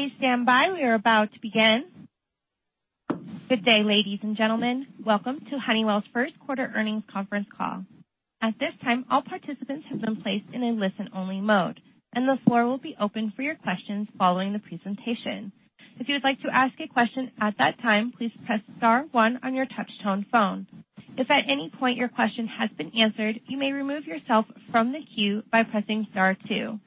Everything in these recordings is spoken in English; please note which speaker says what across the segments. Speaker 1: Please stand by. We are about to begin. Good day, ladies and gentlemen. Welcome to Honeywell's first quarter earnings conference call. At this time, all participants have been placed in a listen-only mode. The floor will be open for your questions following the presentation. If you would like to ask a question at that time, please press star 1 on your touch-tone phone. If at any point your question has been answered, you may remove yourself from the queue by pressing star 2.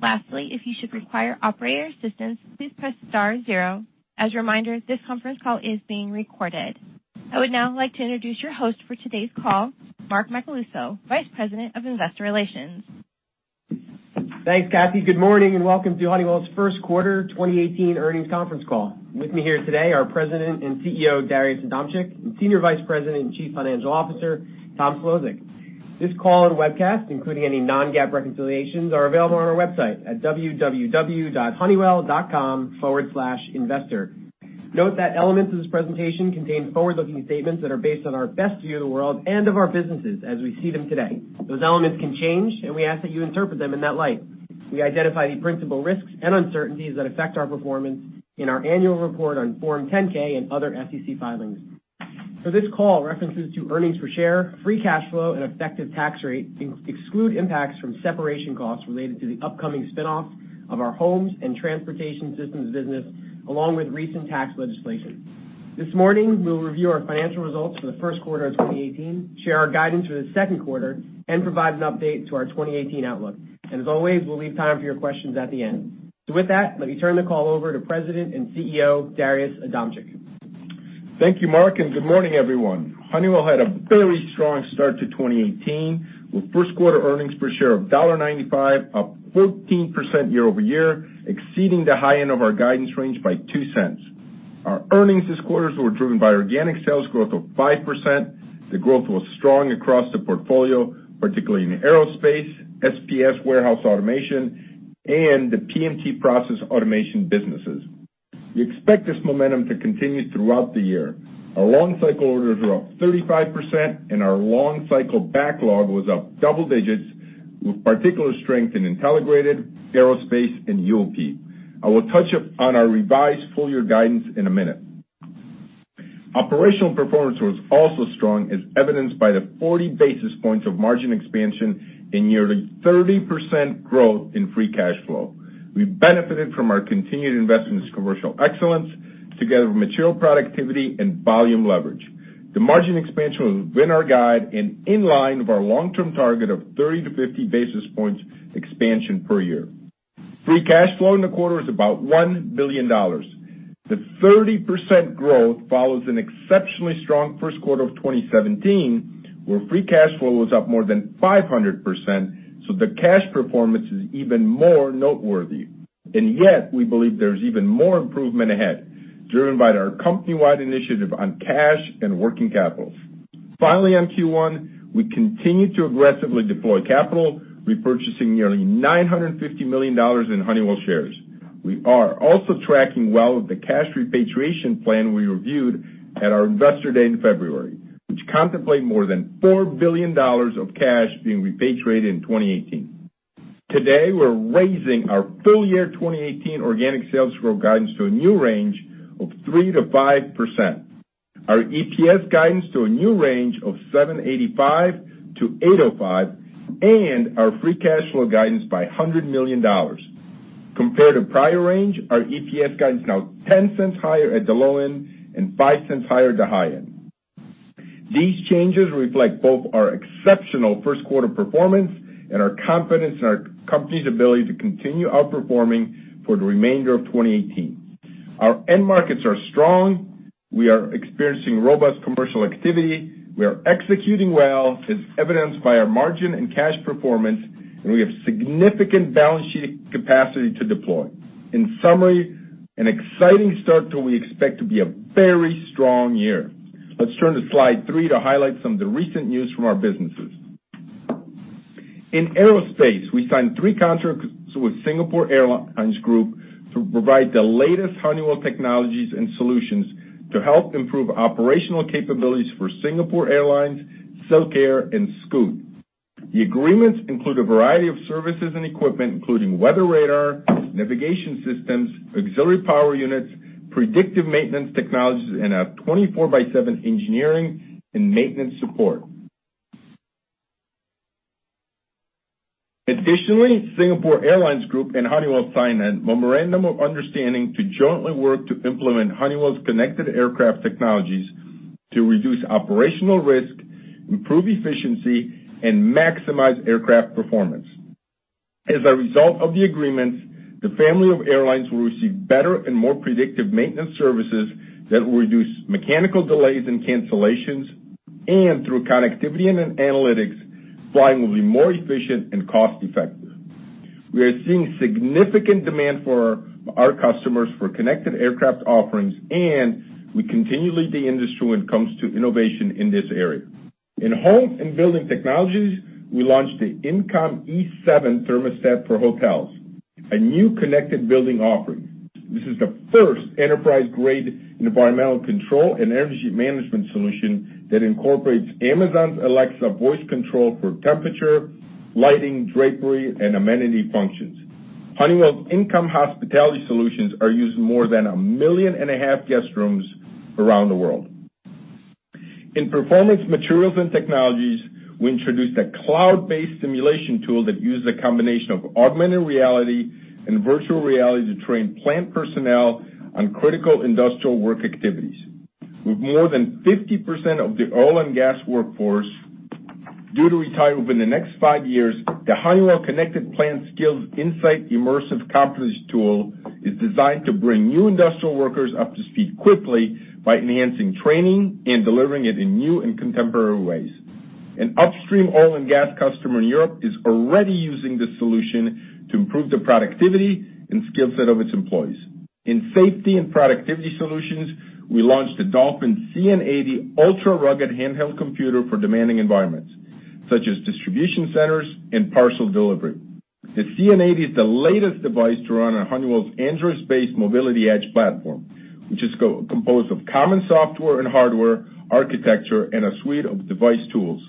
Speaker 1: Lastly, if you should require operator assistance, please press star 0. As a reminder, this conference call is being recorded. I would now like to introduce your host for today's call, Mark Macaluso, Vice President of Investor Relations.
Speaker 2: Thanks, Kathy. Good morning and welcome to Honeywell's first quarter 2018 earnings conference call. With me here today are President and Chief Executive Officer, Darius Adamczyk, and Senior Vice President and Chief Financial Officer, Tom Szlosek. This call and webcast, including any non-GAAP reconciliations, are available on our website at www.honeywell.com/investor. Note that elements of this presentation contain forward-looking statements that are based on our best view of the world and of our businesses as we see them today. Those elements can change. We ask that you interpret them in that light. We identify the principal risks and uncertainties that affect our performance in our annual report on Form 10-K and other SEC filings. For this call, references to earnings per share, free cash flow, and effective tax rate exclude impacts from separation costs related to the upcoming spin-off of our Homes and Transportation Systems business, along with recent tax legislation. This morning, we'll review our financial results for the first quarter of 2018, share our guidance for the second quarter. We'll provide an update to our 2018 outlook. As always, we'll leave time for your questions at the end. With that, let me turn the call over to President and Chief Executive Officer, Darius Adamczyk.
Speaker 3: Thank you, Mark, and good morning, everyone. Honeywell had a very strong start to 2018, with first quarter earnings per share of $1.95, up 14% year-over-year, exceeding the high end of our guidance range by $0.02. Our earnings this quarter were driven by organic sales growth of 5%. The growth was strong across the portfolio, particularly in Aerospace, SPS Warehouse Automation, and the PMT Process Automation businesses. We expect this momentum to continue throughout the year. Our long cycle orders were up 35%. Our long cycle backlog was up double digits, with particular strength in Intelligrated, Aerospace, and UOP. I will touch upon our revised full year guidance in a minute. Operational performance was also strong, as evidenced by the 40 basis points of margin expansion and nearly 30% growth in free cash flow. We benefited from our continued investments in commercial excellence together with material productivity and volume leverage. The margin expansion within our guide and in line with our long-term target of 30 to 50 basis points expansion per year. Free cash flow in the quarter is about $1 billion. The 30% growth follows an exceptionally strong first quarter of 2017, where free cash flow was up more than 500%, so the cash performance is even more noteworthy. And yet, we believe there's even more improvement ahead, driven by our company-wide initiative on cash and working capital. Finally, on Q1, we continued to aggressively deploy capital, repurchasing nearly $950 million in Honeywell shares. We are also tracking well with the cash repatriation plan we reviewed at our investor day in February, which contemplate more than $4 billion of cash being repatriated in 2018. Today, we're raising our full year 2018 organic sales growth guidance to a new range of 3%-5%, our EPS guidance to a new range of $7.85 to $8.05, and our free cash flow guidance by $100 million. Compared to prior range, our EPS guidance is now $0.10 higher at the low end and $0.05 higher at the high end. These changes reflect both our exceptional first quarter performance and our confidence in our company's ability to continue outperforming for the remainder of 2018. Our end markets are strong. We are experiencing robust commercial activity. We are executing well, as evidenced by our margin and cash performance, and we have significant balance sheet capacity to deploy. In summary, an exciting start to what we expect to be a very strong year. Let's turn to slide three to highlight some of the recent news from our businesses. In Aerospace, we signed three contracts with Singapore Airlines Group to provide the latest Honeywell technologies and solutions to help improve operational capabilities for Singapore Airlines, SilkAir, and Scoot. The agreements include a variety of services and equipment, including weather radar, navigation systems, Auxiliary Power Units, predictive maintenance technologies, and a 24 by seven engineering and maintenance support. Additionally, Singapore Airlines Group and Honeywell signed a memorandum of understanding to jointly work to implement Honeywell's connected aircraft technologies to reduce operational risk, improve efficiency, and maximize aircraft performance. As a result of the agreements, the family of airlines will receive better and more predictive maintenance services that will reduce mechanical delays and cancellations, and through connectivity and analytics, flying will be more efficient and cost-effective. We are seeing significant demand for our customers for connected aircraft offerings, and we continue to lead the industry when it comes to innovation in this area. In Home and Building Technologies, we launched the INNCOM e7 thermostat for hotels, a new connected building offering. This is the first enterprise-grade environmental control and energy management solution that incorporates Amazon's Alexa voice control for temperature, lighting, drapery, and amenity functions. Honeywell INNCOM Hospitality Solutions are used in more than 1.5 million guest rooms around the world. In Performance Materials and Technologies, we introduced a cloud-based simulation tool that uses a combination of augmented reality and virtual reality to train plant personnel on critical industrial work activities. With more than 50% of the oil and gas workforce due to retire within the next five years, the Honeywell Connected Plant Skills Insight Immersive Competency tool is designed to bring new industrial workers up to speed quickly by enhancing training and delivering it in new and contemporary ways. An upstream oil and gas customer in Europe is already using this solution to improve the productivity and skill set of its employees. In Safety and Productivity Solutions, we launched the Dolphin CN80 ultra-rugged handheld computer for demanding environments, such as distribution centers and parcel delivery. The CN80 is the latest device to run on Honeywell's Android-based Mobility Edge platform, which is composed of common software and hardware, architecture, and a suite of device tools.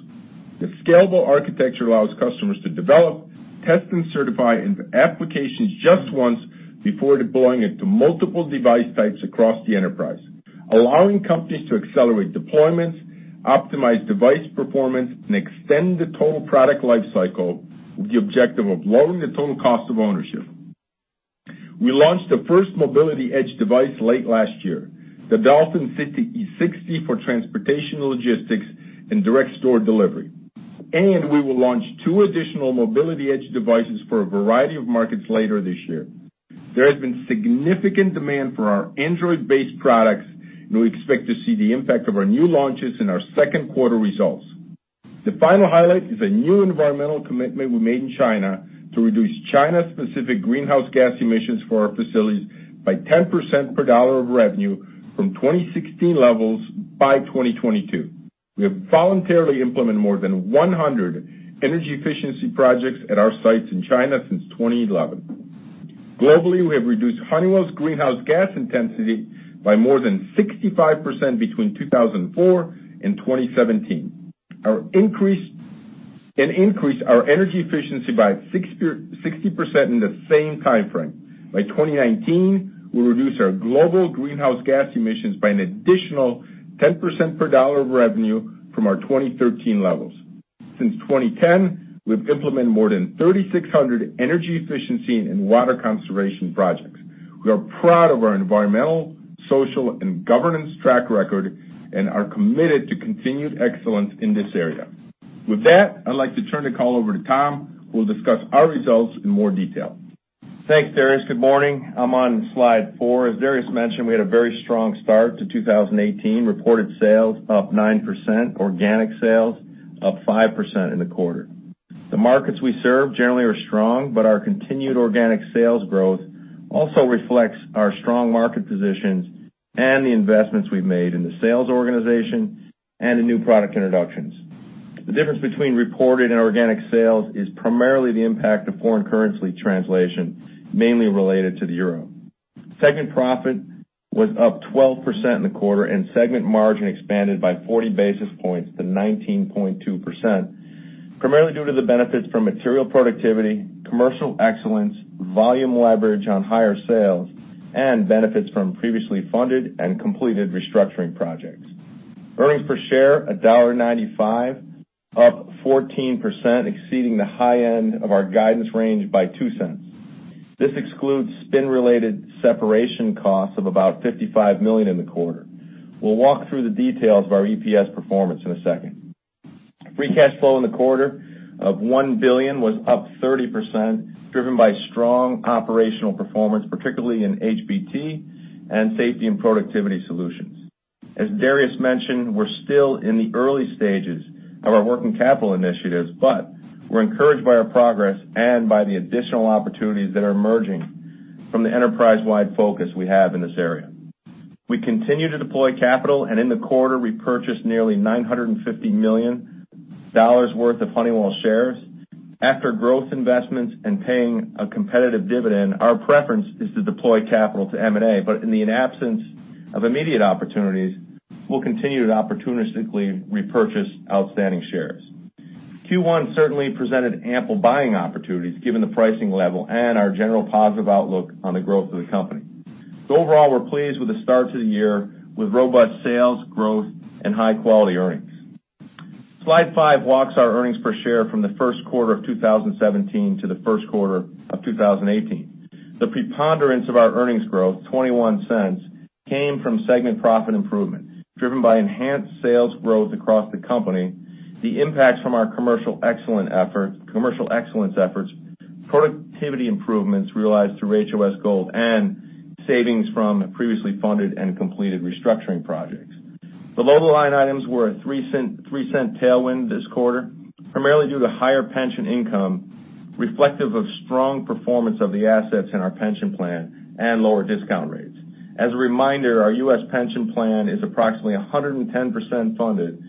Speaker 3: The scalable architecture allows customers to develop, test, and certify applications just once before deploying it to multiple device types across the enterprise, allowing companies to accelerate deployments, optimize device performance, and extend the total product life cycle with the objective of lowering the total cost of ownership. We launched the first Mobility Edge device late last year, the Dolphin CT60 for transportation logistics and direct store delivery. We will launch two additional Mobility Edge devices for a variety of markets later this year. There has been significant demand for our Android-based products, and we expect to see the impact of our new launches in our second quarter results. The final highlight is a new environmental commitment we made in China to reduce China-specific greenhouse gas emissions for our facilities by 10% per dollar of revenue from 2016 levels by 2022. We have voluntarily implemented more than 100 energy efficiency projects at our sites in China since 2011. Globally, we have reduced Honeywell's greenhouse gas intensity by more than 65% between 2004 and 2017, and increased our energy efficiency by 60% in the same timeframe. By 2019, we'll reduce our global greenhouse gas emissions by an additional 10% per dollar of revenue from our 2013 levels. Since 2010, we've implemented more than 3,600 energy efficiency and water conservation projects. We are proud of our environmental, social, and governance track record and are committed to continued excellence in this area. With that, I'd like to turn the call over to Tom, who will discuss our results in more detail.
Speaker 4: Thanks, Darius. Good morning. I'm on slide four. As Darius mentioned, we had a very strong start to 2018, reported sales up 9%, organic sales up 5% in the quarter. The markets we serve generally are strong, but our continued organic sales growth also reflects our strong market positions and the investments we've made in the sales organization and the new product introductions. The difference between reported and organic sales is primarily the impact of foreign currency translation, mainly related to the euro. Segment profit was up 12% in the quarter, and segment margin expanded by 40 basis points to 19.2%, primarily due to the benefits from material productivity, commercial excellence, volume leverage on higher sales, and benefits from previously funded and completed restructuring projects. Earnings per share, $1.95, up 14%, exceeding the high end of our guidance range by $0.02. This excludes spin-related separation costs of about $55 million in the quarter. We'll walk through the details of our EPS performance in a second. Free cash flow in the quarter of $1 billion was up 30%, driven by strong operational performance, particularly in HBT and Safety and Productivity Solutions. As Darius mentioned, we're still in the early stages of our working capital initiatives, but we're encouraged by our progress and by the additional opportunities that are emerging from the enterprise-wide focus we have in this area. We continue to deploy capital, in the quarter, we purchased nearly $950 million worth of Honeywell shares. After growth investments and paying a competitive dividend, our preference is to deploy capital to M&A. In the absence of immediate opportunities, we'll continue to opportunistically repurchase outstanding shares. Q1 certainly presented ample buying opportunities, given the pricing level and our general positive outlook on the growth of the company. Overall, we're pleased with the start to the year with robust sales growth and high-quality earnings. Slide five walks our earnings per share from the first quarter of 2017 to the first quarter of 2018. The preponderance of our earnings growth, $0.21, came from segment profit improvement, driven by enhanced sales growth across the company, the impacts from our commercial excellence efforts, productivity improvements realized through HOS Gold, and savings from previously funded and completed restructuring projects. The lower line items were a $0.03 tailwind this quarter, primarily due to higher pension income reflective of strong performance of the assets in our pension plan and lower discount rates. As a reminder, our U.S. pension plan is approximately 110% funded,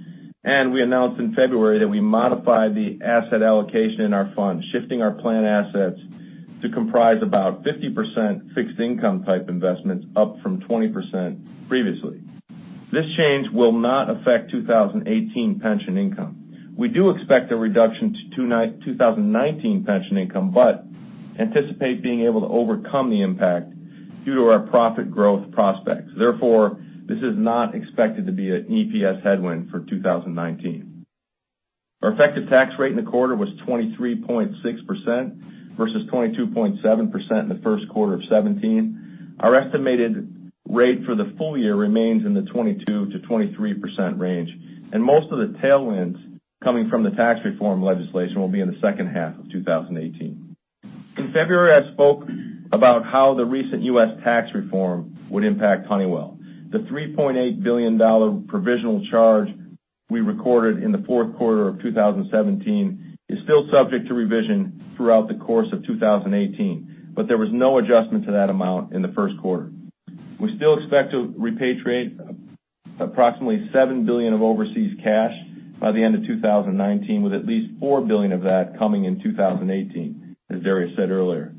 Speaker 4: and we announced in February that we modified the asset allocation in our fund, shifting our plan assets to comprise about 50% fixed income type investments, up from 20% previously. This change will not affect 2018 pension income. We do expect a reduction to 2019 pension income, but anticipate being able to overcome the impact due to our profit growth prospects. Therefore, this is not expected to be an EPS headwind for 2019. Our effective tax rate in the quarter was 23.6% versus 22.7% in the first quarter of 2017. Our estimated rate for the full year remains in the 22%-23% range, and most of the tailwinds coming from the tax reform legislation will be in the second half of 2018. In February, I spoke about how the recent U.S. tax reform would impact Honeywell. The $3.8 billion provisional charge we recorded in the fourth quarter of 2017 is still subject to revision throughout the course of 2018, but there was no adjustment to that amount in the first quarter. We still expect to repatriate approximately $7 billion of overseas cash by the end of 2019, with at least $4 billion of that coming in 2018, as Darius said earlier.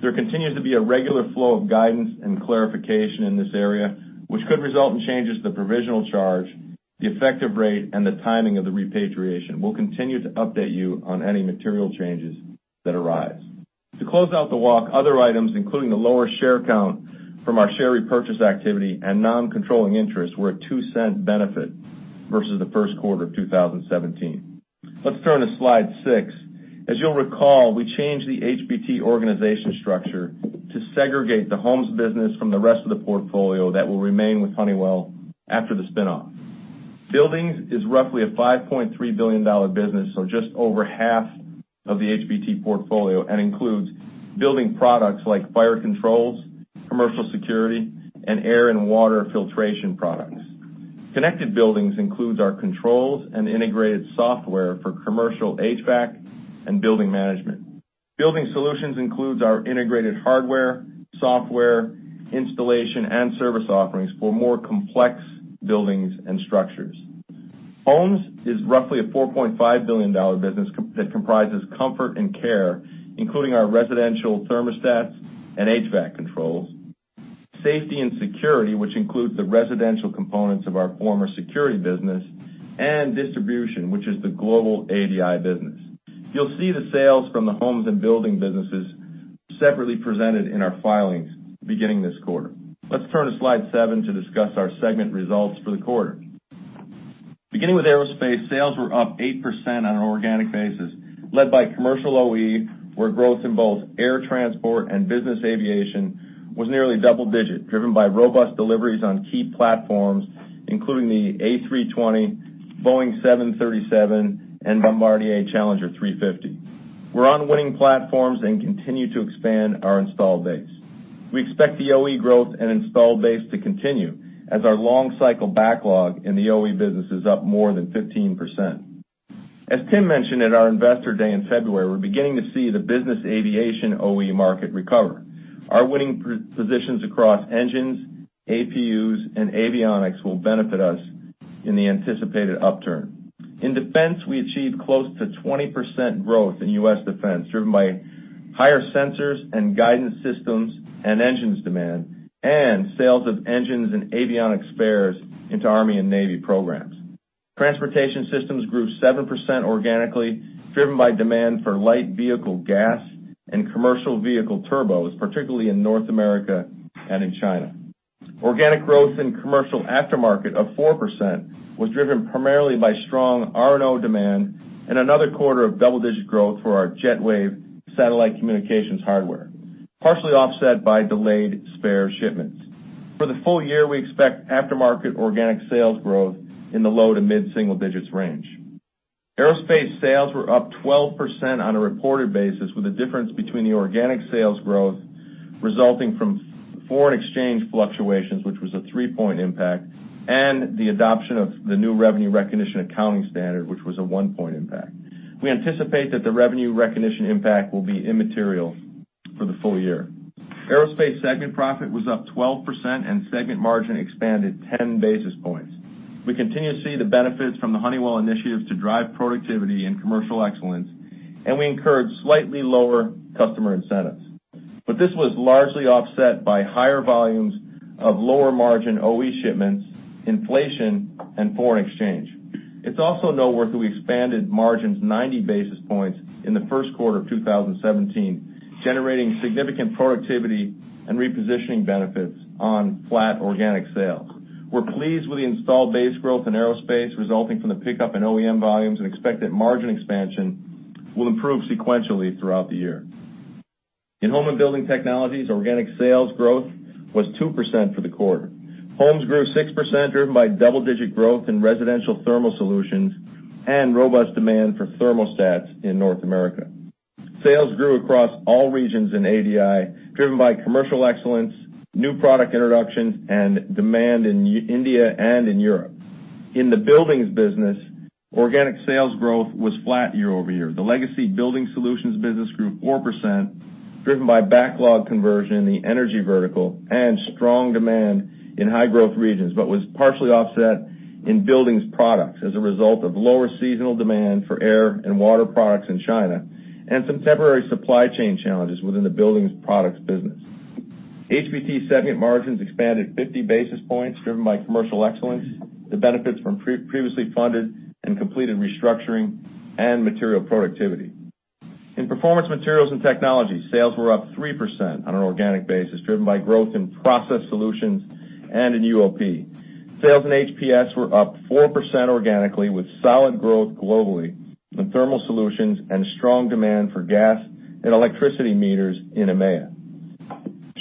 Speaker 4: There continues to be a regular flow of guidance and clarification in this area, which could result in changes to the provisional charge, the effective rate, and the timing of the repatriation. We'll continue to update you on any material changes that arise. To close out the walk, other items, including the lower share count from our share repurchase activity and non-controlling interests, were a $0.02 benefit versus the first quarter of 2017. Let's turn to Slide six. As you'll recall, we changed the HBT organization structure to segregate the Homes business from the rest of the portfolio that will remain with Honeywell after the spin-off. Buildings is roughly a $5.3 billion business, so just over half of the HBT portfolio, and includes building products like fire controls, commercial security, and air and water filtration products. Connected Buildings includes our controls and integrated software for commercial HVAC and building management. Building Solutions includes our integrated hardware, software, installation, and service offerings for more complex buildings and structures. Homes is roughly a $4.5 billion business that comprises comfort and care, including our residential thermostats and HVAC controls; safety and security, which includes the residential components of our former security business; and distribution, which is the global ADI business. You'll see the sales from the Homes and Building businesses separately presented in our filings beginning this quarter. Let's turn to Slide 7 to discuss our segment results for the quarter. Beginning with Aerospace, sales were up 8% on an organic basis, led by commercial OE, where growth in both air transport and business aviation was nearly double-digit, driven by robust deliveries on key platforms, including the A320, Boeing 737, and Bombardier Challenger 350. We're on winning platforms and continue to expand our installed base. We expect the OE growth and installed base to continue as our long-cycle backlog in the OE business is up more than 15%. As Tim mentioned at our Investor Day in February, we're beginning to see the business aviation OE market recover. Our winning positions across engines, APUs, and avionics will benefit us in the anticipated upturn. In Defense, we achieved close to 20% growth in U.S. defense, driven by higher sensors and guidance systems and engines demand, and sales of engines and avionics spares into Army and Navy programs. Transportation Systems grew 7% organically, driven by demand for light vehicle gas and commercial vehicle turbos, particularly in North America and in China. Organic growth in Commercial Aftermarket of 4% was driven primarily by strong R&O demand and another quarter of double-digit growth for our JetWave satellite communications hardware, partially offset by delayed spare shipments. For the full year, we expect aftermarket organic sales growth in the low to mid-single digits range. Aerospace sales were up 12% on a reported basis, with a difference between the organic sales growth resulting from foreign exchange fluctuations, which was a three-point impact, and the adoption of the new Revenue Recognition Accounting Standard, which was a one-point impact. We anticipate that the Revenue Recognition impact will be immaterial for the full year. Aerospace segment profit was up 12% and segment margin expanded 10 basis points. We continue to see the benefits from the Honeywell initiatives to drive productivity and commercial excellence. We incurred slightly lower customer incentives. This was largely offset by higher volumes of lower margin OE shipments, inflation, and foreign exchange. It's also noteworthy we expanded margins 90 basis points in the first quarter of 2017, generating significant productivity and repositioning benefits on flat organic sales. We're pleased with the installed base growth in Aerospace resulting from the pickup in OEM volumes and expect that margin expansion will improve sequentially throughout the year. In Home and Building Technologies, organic sales growth was 2% for the quarter. Homes grew 6%, driven by double-digit growth in residential thermal solutions and robust demand for thermostats in North America. Sales grew across all regions in ADI, driven by commercial excellence, new product introductions, and demand in India and in Europe. In the Buildings business, organic sales growth was flat year-over-year. The legacy Building Solutions business grew 4%, driven by backlog conversion in the energy vertical and strong demand in high-growth regions, but was partially offset in Buildings products as a result of lower seasonal demand for air and water products in China, and some temporary supply chain challenges within the Buildings products business. HBT segment margins expanded 50 basis points driven by commercial excellence, the benefits from previously funded and completed restructuring and material productivity. In Performance Materials and Technologies, sales were up 3% on an organic basis, driven by growth in Process Solutions and in UOP. Sales in HPS were up 4% organically, with solid growth globally in Thermal Solutions and strong demand for gas and electricity meters in EMEA.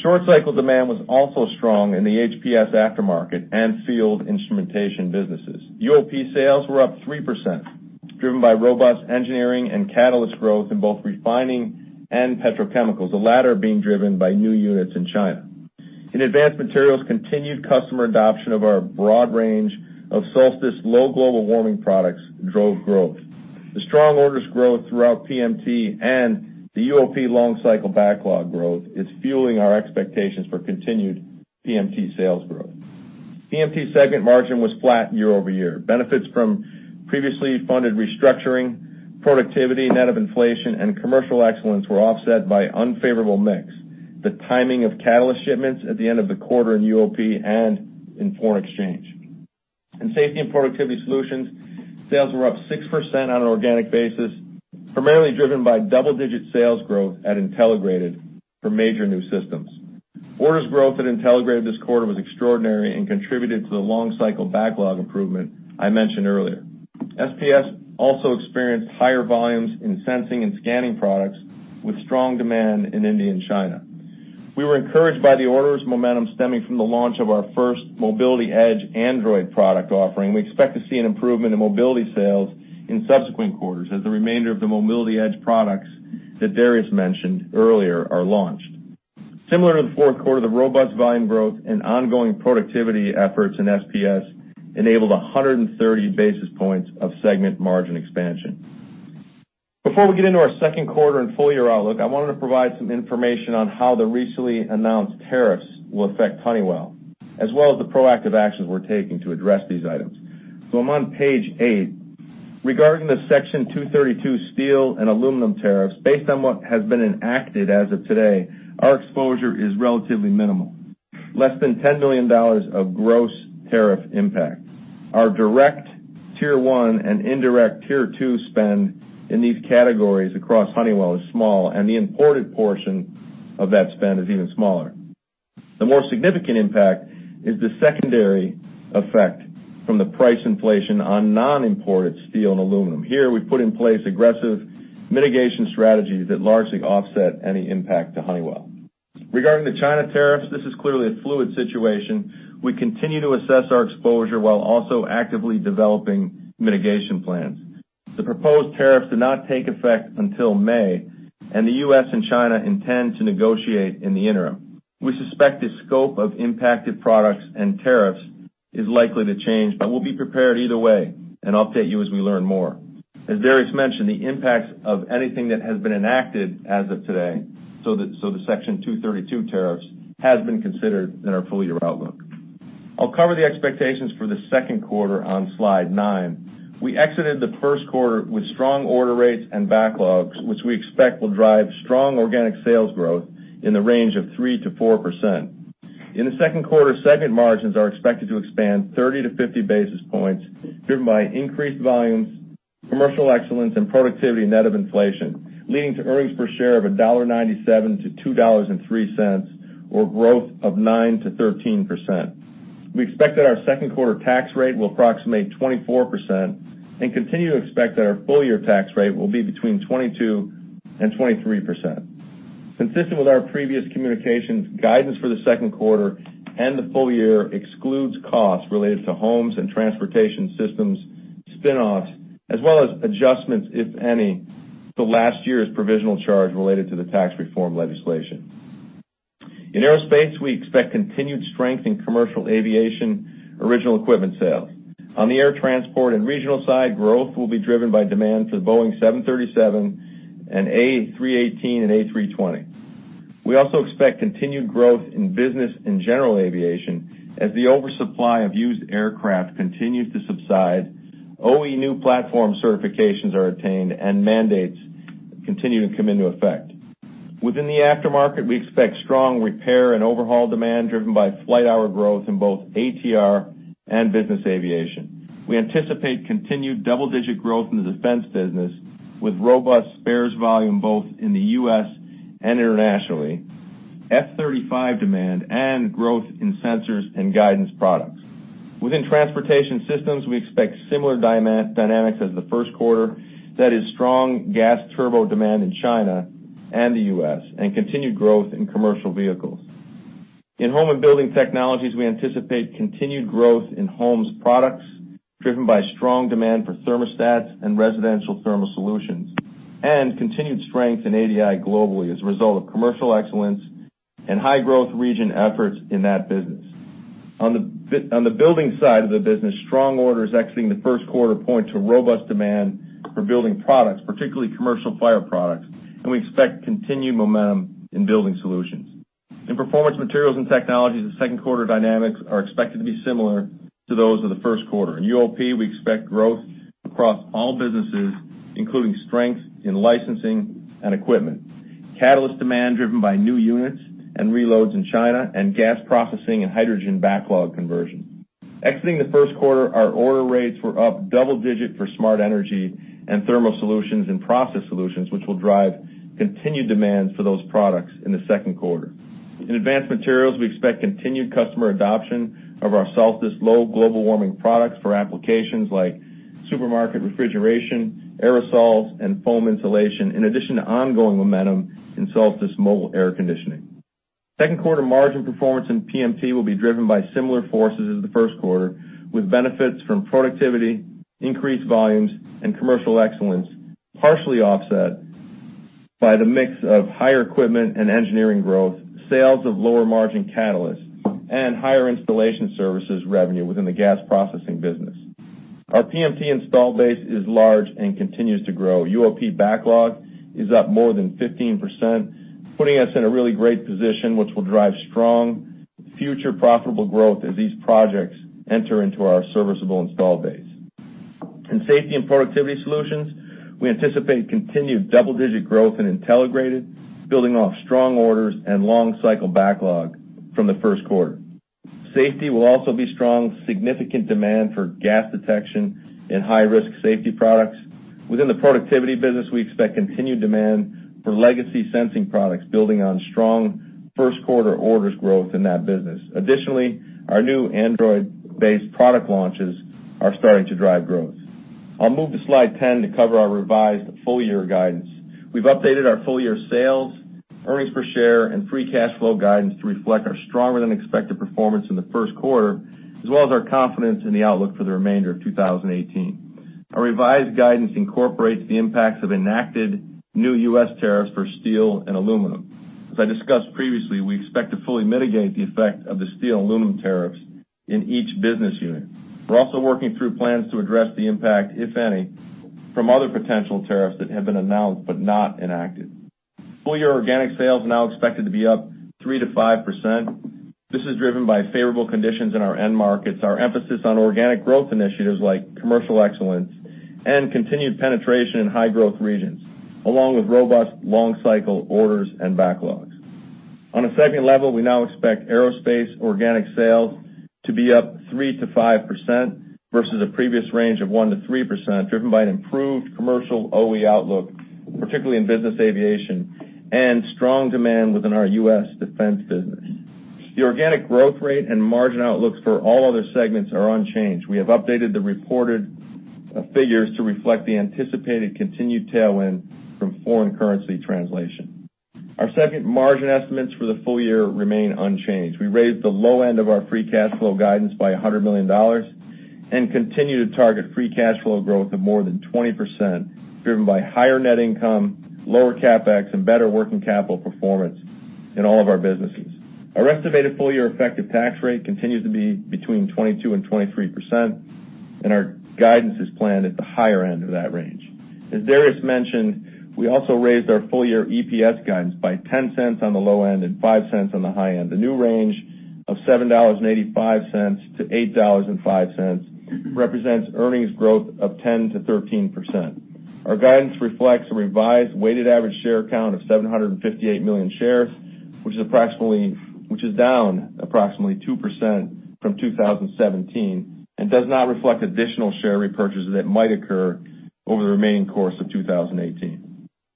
Speaker 4: Short cycle demand was also strong in the HPS aftermarket and field instrumentation businesses. UOP sales were up 3%, driven by robust engineering and catalyst growth in both refining and petrochemicals, the latter being driven by new units in China. In Advanced Materials, continued customer adoption of our broad range of Solstice low global warming products drove growth. The strong orders growth throughout PMT and the UOP long cycle backlog growth is fueling our expectations for continued PMT sales growth. PMT segment margin was flat year-over-year. Benefits from previously funded restructuring, productivity, net of inflation and commercial excellence were offset by unfavorable mix, the timing of catalyst shipments at the end of the quarter in UOP and in foreign exchange. In Safety and Productivity Solutions, sales were up 6% on an organic basis, primarily driven by double-digit sales growth at Intelligrated for major new systems. Orders growth at Intelligrated this quarter was extraordinary and contributed to the long-cycle backlog improvement I mentioned earlier. SPS also experienced higher volumes in sensing and scanning products with strong demand in India and China. We were encouraged by the orders momentum stemming from the launch of our first Mobility Edge Android product offering. We expect to see an improvement in mobility sales in subsequent quarters as the remainder of the Mobility Edge products that Darius mentioned earlier are launched. Similar to the fourth quarter, the robust volume growth and ongoing productivity efforts in SPS enabled 130 basis points of segment margin expansion. Before we get into our second quarter and full year outlook, I wanted to provide some information on how the recently announced tariffs will affect Honeywell, as well as the proactive actions we're taking to address these items. I'm on page eight. Regarding the Section 232 steel and aluminum tariffs, based on what has been enacted as of today, our exposure is relatively minimal. Less than $10 million of gross tariff impact. Our direct tier 1 and indirect tier 2 spend in these categories across Honeywell is small, and the imported portion of that spend is even smaller. The more significant impact is the secondary effect from the price inflation on non-imported steel and aluminum. Here, we've put in place aggressive mitigation strategies that largely offset any impact to Honeywell. Regarding the China tariffs, this is clearly a fluid situation. We continue to assess our exposure while also actively developing mitigation plans. The proposed tariffs do not take effect until May, and the U.S. and China intend to negotiate in the interim. We suspect the scope of impacted products and tariffs is likely to change, but we'll be prepared either way and update you as we learn more. As Darius mentioned, the impacts of anything that has been enacted as of today, so the Section 232 tariffs, has been considered in our full-year outlook. I'll cover the expectations for the second quarter on slide nine. We exited the first quarter with strong order rates and backlogs, which we expect will drive strong organic sales growth in the range of 3%-4%. In the second quarter, segment margins are expected to expand 30-50 basis points, driven by increased volumes, commercial excellence and productivity net of inflation, leading to earnings per share of $1.97-$2.03 or growth of 9%-13%. We expect that our second quarter tax rate will approximate 24% and continue to expect that our full-year tax rate will be between 22% and 23%. Consistent with our previous communications, guidance for the second quarter and the full-year excludes costs related to Homes and Transportation Systems, spin-offs, as well as adjustments, if any, to last year's provisional charge related to the tax reform legislation. In aerospace, we expect continued strength in commercial aviation original equipment sales. On the air transport and regional side, growth will be driven by demand for the Boeing 737 and A318 and A320. We also expect continued growth in business and general aviation as the oversupply of used aircraft continues to subside, OE new platform certifications are attained, and mandates continue to come into effect. Within the aftermarket, we expect strong repair and overhaul demand driven by flight hour growth in both ATR and business aviation. We anticipate continued double-digit growth in the defense business with robust spares volume both in the U.S. and internationally, F-35 demand and growth in sensors and guidance products. Within Transportation Systems, we expect similar dynamics as the first quarter. That is strong gas turbo demand in China and the U.S. and continued growth in commercial vehicles. In Home and Building Technologies, we anticipate continued growth in Homes products driven by strong demand for thermostats and residential thermal solutions, and continued strength in ADI globally as a result of commercial excellence and high growth region efforts in that business. On the building side of the business, strong orders exiting the first quarter point to robust demand for building products, particularly commercial fire products, and we expect continued momentum in building solutions. In Performance Materials and Technologies, the second quarter dynamics are expected to be similar to those of the first quarter. In UOP, we expect growth across all businesses, including strength in licensing and equipment. Catalyst demand driven by new units and reloads in China and gas processing and hydrogen backlog conversion. Exiting the first quarter, our order rates were up double-digit for smart energy and thermal solutions and process solutions, which will drive continued demand for those products in the second quarter. In advanced materials, we expect continued customer adoption of our Solstice low-global-warming products for applications like supermarket refrigeration, aerosols, and foam insulation, in addition to ongoing momentum in Solstice mobile air conditioning. Second quarter margin performance in PMT will be driven by similar forces as the first quarter, with benefits from productivity, increased volumes, and commercial excellence, partially offset by the mix of higher equipment and engineering growth, sales of lower margin catalysts, and higher installation services revenue within the gas processing business. Our PMT install base is large and continues to grow. UOP backlog is up more than 15%, putting us in a really great position, which will drive strong future profitable growth as these projects enter into our serviceable install base. In Safety and Productivity Solutions, we anticipate continued double-digit growth in Intelligrated, building off strong orders and long cycle backlog from the first quarter. Safety will also be strong, significant demand for gas detection and high-risk safety products. Within the productivity business, we expect continued demand for legacy sensing products, building on strong first quarter orders growth in that business. Additionally, our new Android-based product launches are starting to drive growth. I'll move to slide 10 to cover our revised full year guidance. We've updated our full year sales, earnings per share, and free cash flow guidance to reflect our stronger than expected performance in the first quarter, as well as our confidence in the outlook for the remainder of 2018. Our revised guidance incorporates the impacts of enacted new U.S. tariffs for steel and aluminum. As I discussed previously, we expect to fully mitigate the effect of the steel and aluminum tariffs in each business unit. We're also working through plans to address the impact, if any, from other potential tariffs that have been announced but not enacted. Full year organic sales are now expected to be up 3%-5%. This is driven by favorable conditions in our end markets, our emphasis on organic growth initiatives like commercial excellence, and continued penetration in high growth regions, along with robust long cycle orders and backlogs. On a segment level, we now expect aerospace organic sales to be up 3%-5%, versus a previous range of 1%-3%, driven by an improved commercial OE outlook, particularly in business aviation, and strong demand within our U.S. defense business. The organic growth rate and margin outlooks for all other segments are unchanged. We have updated the reported figures to reflect the anticipated continued tailwind from foreign currency translation. Our segment margin estimates for the full year remain unchanged. We raised the low end of our free cash flow guidance by $100 million and continue to target free cash flow growth of more than 20%, driven by higher net income, lower CapEx, and better working capital performance in all of our businesses. Our estimated full year effective tax rate continues to be between 22% and 23%. Our guidance is planned at the higher end of that range. As Darius mentioned, we also raised our full year EPS guidance by $0.10 on the low end and $0.05 on the high end. The new range of $7.85 to $8.05 represents earnings growth of 10%-13%. Our guidance reflects a revised weighted average share count of 758 million shares, which is down approximately 2% from 2017 and does not reflect additional share repurchases that might occur over the remaining course of 2018.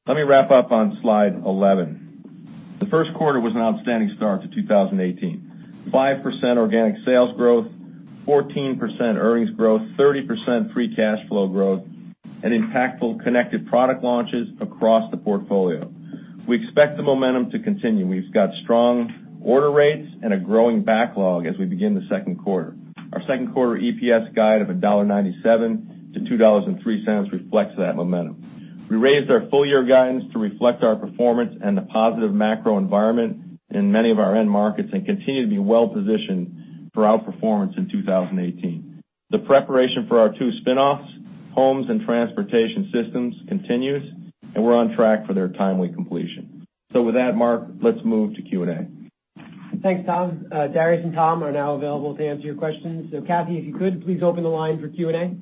Speaker 4: Let me wrap up on slide 11. The first quarter was an outstanding start to 2018, 5% organic sales growth, 14% earnings growth, 30% free cash flow growth, and impactful connected product launches across the portfolio. We expect the momentum to continue. We've got strong order rates and a growing backlog as we begin the second quarter. Our second quarter EPS guide of $1.97 to $2.03 reflects that momentum. We raised our full year guidance to reflect our performance and the positive macro environment in many of our end markets and continue to be well positioned for outperformance in 2018. The preparation for our 2 spin-offs, Homes and Transportation Systems continues, and we're on track for their timely completion. With that, Mark, let's move to Q&A.
Speaker 2: Thanks, Tom. Darius and Tom are now available to answer your questions. Kathy, if you could, please open the line for Q&A.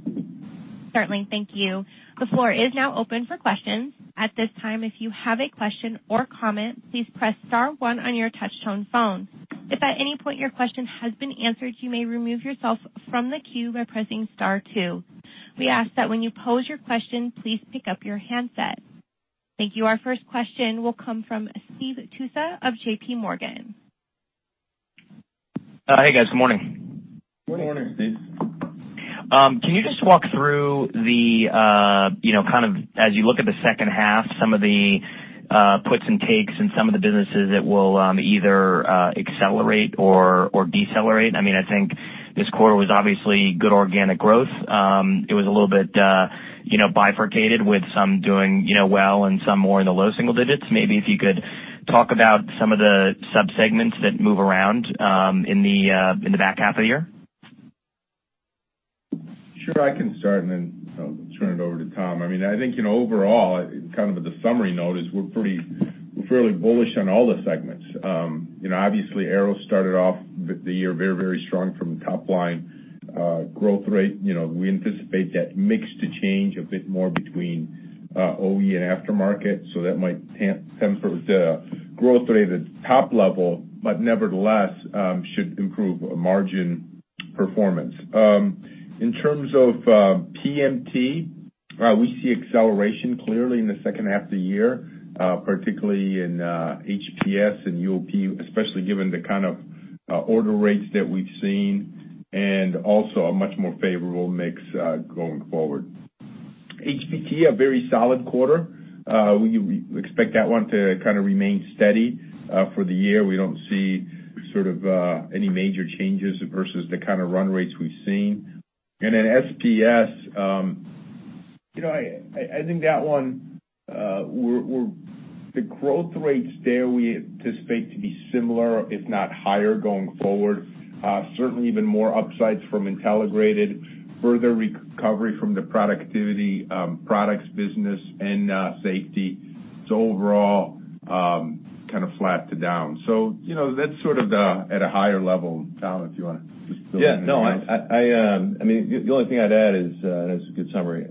Speaker 1: Certainly. Thank you. The floor is now open for questions. At this time, if you have a question or comment, please press star one on your touch tone phone. If at any point your question has been answered, you may remove yourself from the queue by pressing star two. We ask that when you pose your question, please pick up your handset. Thank you. Our first question will come from Steve Tusa of JP Morgan.
Speaker 5: Hi, guys. Good morning.
Speaker 4: Good morning.
Speaker 2: Good morning, Steve.
Speaker 5: Can you just walk through, as you look at the second half, some of the puts and takes in some of the businesses that will either accelerate or decelerate? I think this quarter was obviously good organic growth. It was a little bit bifurcated with some doing well and some more in the low single digits. Maybe if you could talk about some of the subsegments that move around in the back half of the year.
Speaker 3: Sure, I can start and then I'll turn it over to Tom. I think overall, kind of the summary note is we're fairly bullish on all the segments. Obviously, Aero started off the year very strong from a top-line growth rate. We anticipate that mix to change a bit more between OE and aftermarket, so that might temper the growth rate at top level, but nevertheless, should improve margin performance. In terms of PMT, we see acceleration clearly in the second half of the year, particularly in HPS and UOP, especially given the kind of order rates that we've seen, and also a much more favorable mix going forward. HBT, a very solid quarter. We expect that one to kind of remain steady for the year. We don't see any major changes versus the kind of run rates we've seen. SPS, I think that one, the growth rates there we anticipate to be similar, if not higher, going forward. Certainly even more upsides from Intelligrated, further recovery from the productivity products business and safety. Overall, kind of flat to down. That's sort of at a higher level. Tom, if you want to just fill in anything else.
Speaker 4: The only thing I'd add is, and it's a good summary,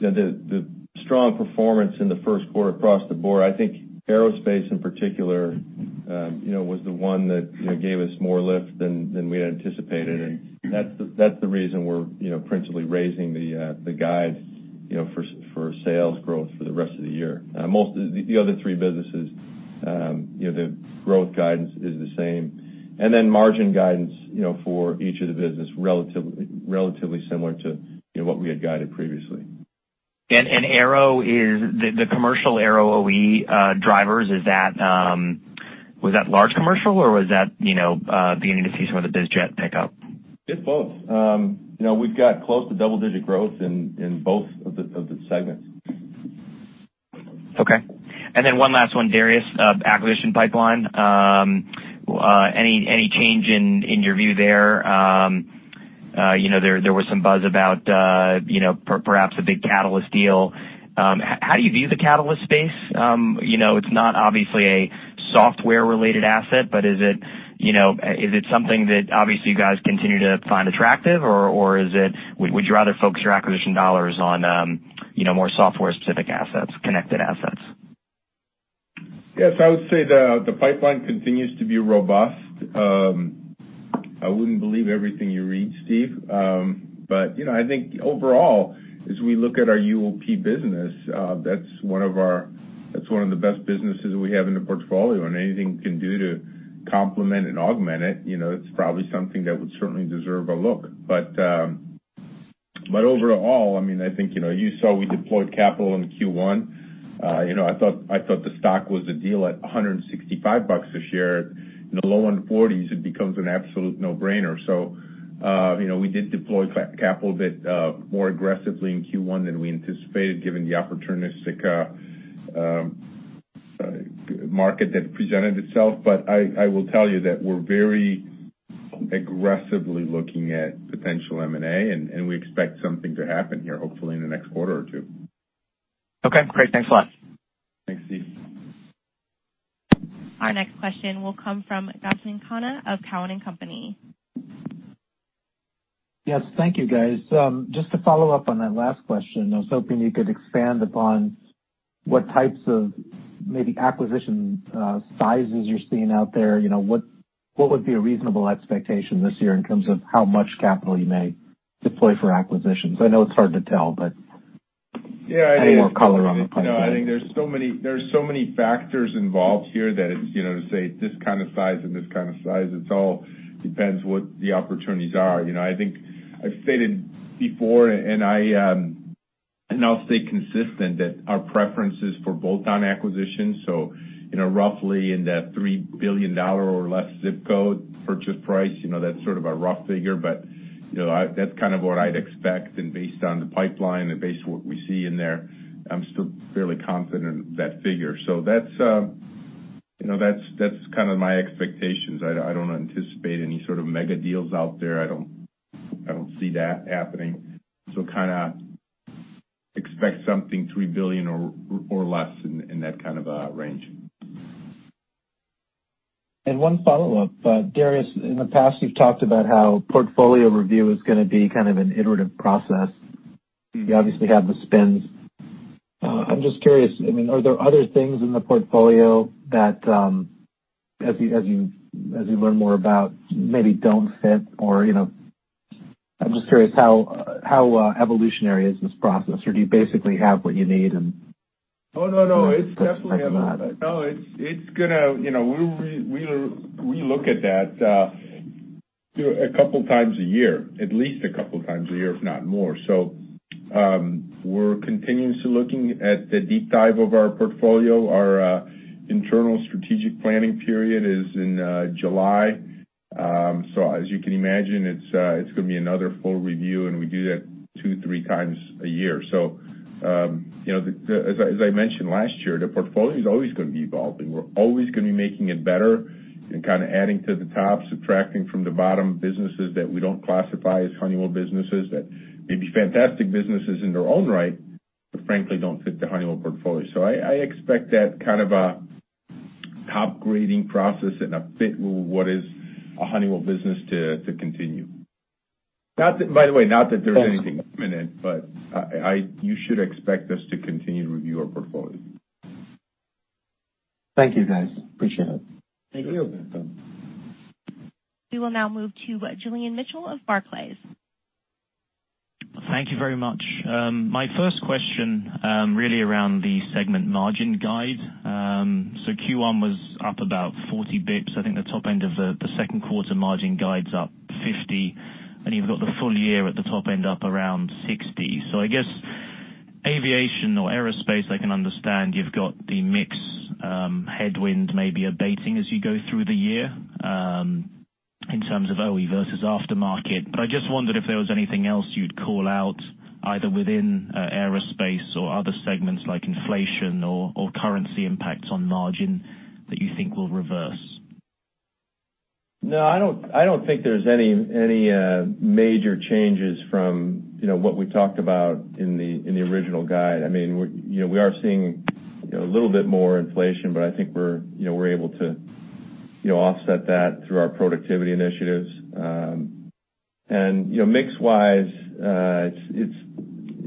Speaker 4: the strong performance in the first quarter across the board, I think Aerospace in particular was the one that gave us more lift than we had anticipated. That's the reason we're principally raising the guide for sales growth for the rest of the year. The other three businesses, the growth guidance is the same. Then margin guidance for each of the business, relatively similar to what we had guided previously.
Speaker 5: The commercial Aero OE drivers, was that large commercial or was that beginning to see some of the biz jet pickup?
Speaker 3: It's both. We've got close to double-digit growth in both of the segments.
Speaker 5: Okay. One last one, Darius. Acquisition pipeline. Any change in your view there? There was some buzz about perhaps a big Catalyst deal. How do you view the Catalyst space? It's not obviously a software-related asset, but is it something that obviously you guys continue to find attractive, or would you rather focus your acquisition dollars on more software-specific assets, connected assets?
Speaker 3: Yes, I would say the pipeline continues to be robust. I wouldn't believe everything you read, Steve. Overall, as we look at our UOP business, that's one of the best businesses we have in the portfolio, and anything we can do to complement and augment it's probably something that would certainly deserve a look. Overall, I think you saw we deployed capital in Q1. I thought the stock was a deal at $165 a share. In the low $140s, it becomes an absolute no-brainer. We did deploy capital a bit more aggressively in Q1 than we anticipated, given the opportunistic market that presented itself. I will tell you that we're very aggressively looking at potential M&A, and we expect something to happen here, hopefully in the next quarter or two.
Speaker 5: Okay, great. Thanks a lot.
Speaker 3: Thanks, Steve.
Speaker 1: Our next question will come from Gautam Khanna of Cowen and Company.
Speaker 6: Yes. Thank you, guys. Just to follow up on that last question, I was hoping you could expand upon what types of maybe acquisition sizes you're seeing out there. What would be a reasonable expectation this year in terms of how much capital you may deploy for acquisitions? I know it's hard to tell.
Speaker 3: Yeah, it is.
Speaker 6: any more color on the pipeline.
Speaker 3: I think there's so many factors involved here that to say this kind of size and this kind of size, it all depends what the opportunities are. I think I've stated before, and I'll stay consistent that our preference is for bolt-on acquisitions. Roughly in that $3 billion or less ZIP code purchase price, that's sort of a rough figure, but that's kind of what I'd expect. Based on the pipeline and based on what we see in there, I'm still fairly confident in that figure. That's kind of my expectations. I don't anticipate any sort of mega deals out there. I don't see that happening. Kind of expect something $3 billion or less in that kind of a range.
Speaker 6: One follow-up. Darius, in the past, you've talked about how portfolio review is going to be kind of an iterative process. You obviously have the spins. I'm just curious, are there other things in the portfolio that as you learn more about maybe don't fit? I'm just curious how evolutionary is this process? Do you basically have what you need?
Speaker 3: Oh, no. It's definitely evolving
Speaker 6: like not?
Speaker 3: No. We look at that a couple times a year, at least a couple times a year, if not more. We're continuously looking at the deep dive of our portfolio. Our internal strategic planning period is in July. As you can imagine, it's going to be another full review. We do that two, three times a year. As I mentioned last year, the portfolio's always going to be evolving. We're always going to be making it better and kind of adding to the top, subtracting from the bottom, businesses that we don't classify as Honeywell businesses that may be fantastic businesses in their own right, but frankly, don't fit the Honeywell portfolio. I expect that kind of a top grading process and a fit with what is a Honeywell business to continue. By the way, not that there's anything imminent, you should expect us to continue to review our portfolio.
Speaker 6: Thank you, guys. Appreciate it.
Speaker 3: Thank you.
Speaker 4: You're welcome.
Speaker 1: We will now move to Julian Mitchell of Barclays.
Speaker 7: Thank you very much. My first question, really around the segment margin guide. Q1 was up about 40 basis points. I think the top end of the second quarter margin guide's up 50%, and you've got the full year at the top end up around 60%. I guess aviation or aerospace, I can understand you've got the mix headwind maybe abating as you go through the year, in terms of OE versus aftermarket. I just wondered if there was anything else you'd call out, either within aerospace or other segments like inflation or currency impacts on margin that you think will reverse.
Speaker 3: No, I don't think there's any major changes from what we talked about in the original guide. We are seeing a little bit more inflation, but I think we're able to offset that through our productivity initiatives. Mix wise, it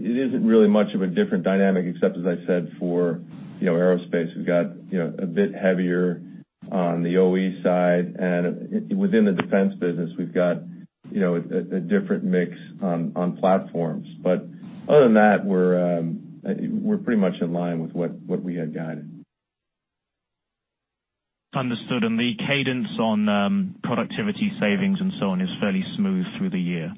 Speaker 3: isn't really much of a different dynamic except, as I said, for aerospace. We've got a bit heavier on the OE side and within the defense business, we've got a different mix on platforms. Other than that, we're pretty much in line with what we had guided.
Speaker 7: Understood, the cadence on productivity savings and so on is fairly smooth through the year.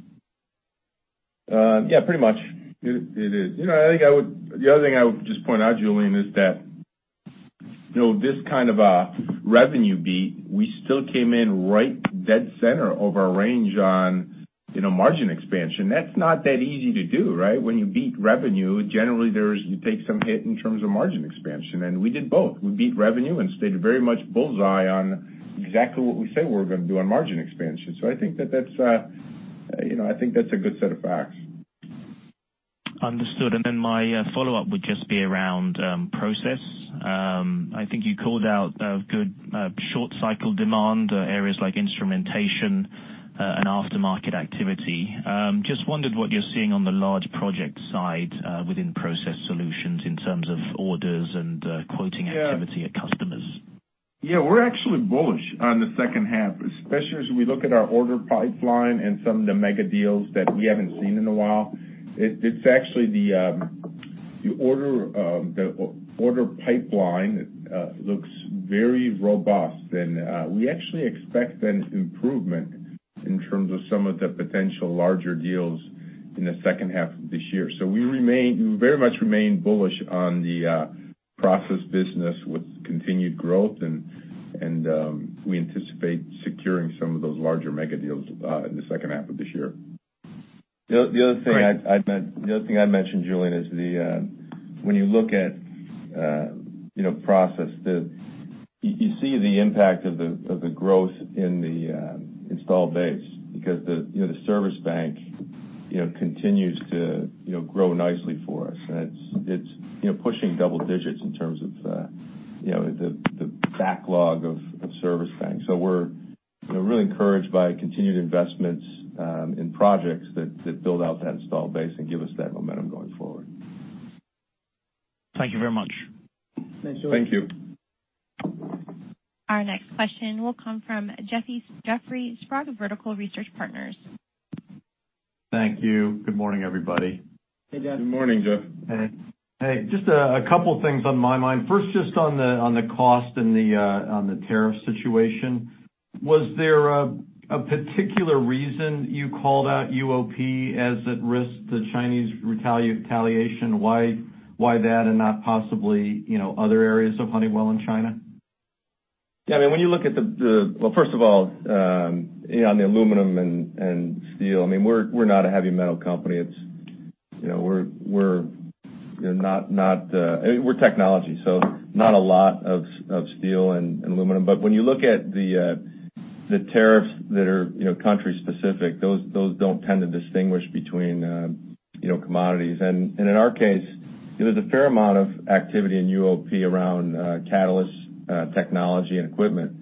Speaker 3: Yeah, pretty much. It is. The other thing I would just point out, Julian, is that this kind of a revenue beat, we still came in right dead center of our range on margin expansion. That's not that easy to do, right? When you beat revenue, generally, you take some hit in terms of margin expansion, and we did both. We beat revenue and stayed very much bullseye on exactly what we say we're going to do on margin expansion. I think that's a good set of facts.
Speaker 7: Understood. My follow-up would just be around Process. I think you called out a good short cycle demand areas like instrumentation and aftermarket activity. Just wondered what you're seeing on the large project side within Process Solutions in terms of orders and quoting activity at customers.
Speaker 3: We're actually bullish on the second half, especially as we look at our order pipeline and some of the mega deals that we haven't seen in a while. It's actually the order pipeline looks very robust, and we actually expect an improvement in terms of some of the potential larger deals in the second half of this year. We very much remain bullish on the process business with continued growth, and we anticipate securing some of those larger mega deals in the second half of this year.
Speaker 4: The other thing I'd mention, Julian, is when you look at Process, you see the impact of the growth in the installed base because the service bank continues to grow nicely for us. It's pushing double digits in terms of the backlog of service banks. We're really encouraged by continued investments in projects that build out that installed base and give us that momentum going forward.
Speaker 7: Thank you very much.
Speaker 3: Thanks, Julian.
Speaker 4: Thank you.
Speaker 1: Our next question will come from Jeffrey Sprague of Vertical Research Partners.
Speaker 8: Thank you. Good morning, everybody.
Speaker 3: Hey, Jeff.
Speaker 4: Good morning, Jeff.
Speaker 8: Hey. Just a couple of things on my mind. First, just on the cost and on the tariff situation. Was there a particular reason you called out UOP as at risk to Chinese retaliation? Why that and not possibly other areas of Honeywell in China?
Speaker 3: Yeah. First of all, on the aluminum and steel, we're not a heavy metal company. We're technology, not a lot of steel and aluminum. When you look at the tariffs that are country specific, those don't tend to distinguish between commodities. In our case, there's a fair amount of activity in UOP around catalyst technology and equipment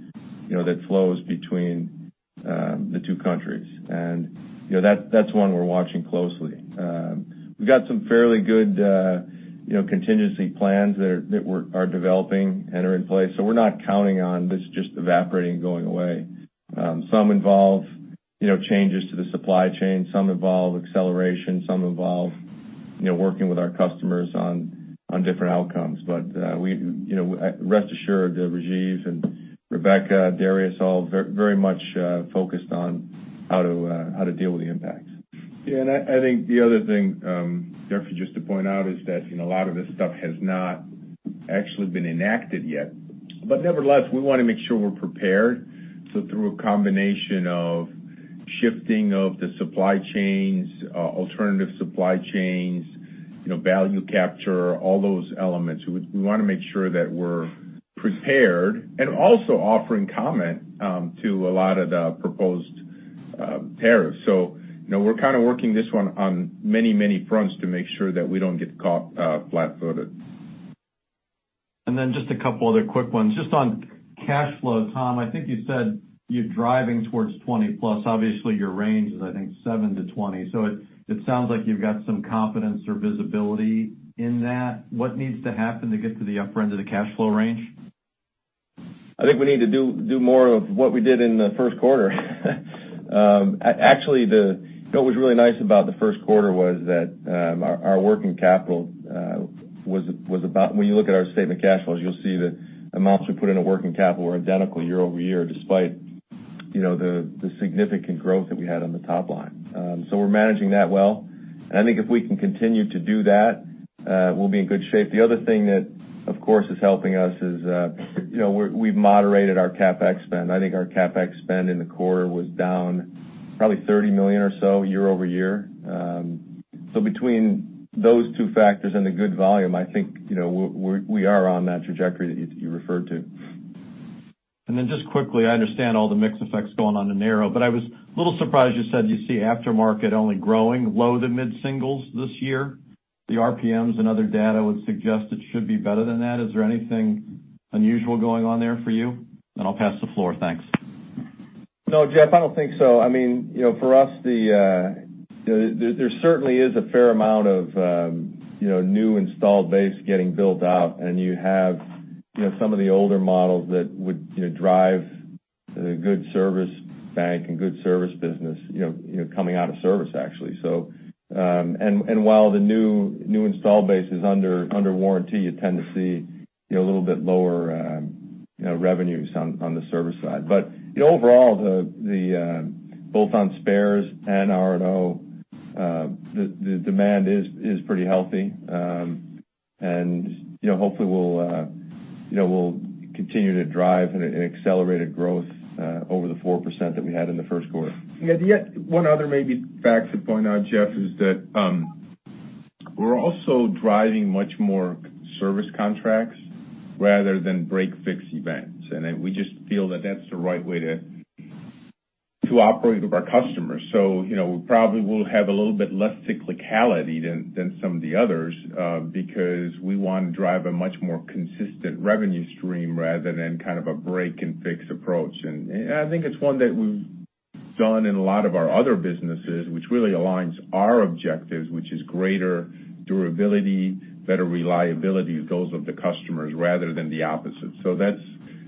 Speaker 3: that flows between the two countries. That's one we're watching closely. We've got some fairly good contingency plans that we are developing and are in place. We're not counting on this just evaporating and going away. Some involve changes to the supply chain, some involve acceleration, some involve working with our customers on different outcomes. Rest assured, Rajiv and Rebecca, Darius, all very much focused on how to deal with the impacts.
Speaker 4: Yeah, I think the other thing, Jeffrey, just to point out is that a lot of this stuff has not
Speaker 3: Actually been enacted yet. Nevertheless, we want to make sure we're prepared. Through a combination of shifting of the supply chains, alternative supply chains, value capture, all those elements, we want to make sure that we're prepared and also offering comment to a lot of the proposed tariffs. We're kind of working this one on many fronts to make sure that we don't get caught flat-footed.
Speaker 8: Just a couple other quick ones. Just on cash flow, Tom, I think you said you're driving towards 20+. Obviously, your range is, I think, 7-20. It sounds like you've got some confidence or visibility in that. What needs to happen to get to the upper end of the cash flow range?
Speaker 4: I think we need to do more of what we did in the first quarter. Actually, what was really nice about the first quarter was that our working capital was when you look at our statement of cash flows, you'll see that the amounts we put into working capital were identical year-over-year, despite the significant growth that we had on the top line. We're managing that well. I think if we can continue to do that, we'll be in good shape. The other thing that, of course, is helping us is we've moderated our CapEx spend. I think our CapEx spend in the quarter was down probably $30 million or so year-over-year. Between those two factors and the good volume, I think, we are on that trajectory that you referred to.
Speaker 8: Just quickly, I understand all the mix effects going on in Aero, I was a little surprised you said you see aftermarket only growing low to mid-singles this year. The RPMs and other data would suggest it should be better than that. Is there anything unusual going on there for you? I'll pass the floor. Thanks.
Speaker 4: No, Jeff, I don't think so. For us, there certainly is a fair amount of new install base getting built out, and you have some of the older models that would drive a good service bank and good service business coming out of service, actually. While the new install base is under warranty, you tend to see a little bit lower revenues on the service side. Overall, both on spares and R&O, the demand is pretty healthy. Hopefully, we'll continue to drive an accelerated growth over the 4% that we had in the first quarter.
Speaker 3: Yeah. One other maybe fact to point out, Jeff, is that we're also driving much more service contracts rather than break-fix events. We just feel that that's the right way to operate with our customers. We probably will have a little bit less cyclicality than some of the others, because we want to drive a much more consistent revenue stream rather than kind of a break-and-fix approach. I think it's one that we've done in a lot of our other businesses, which really aligns our objectives, which is greater durability, better reliability with those of the customers rather than the opposite.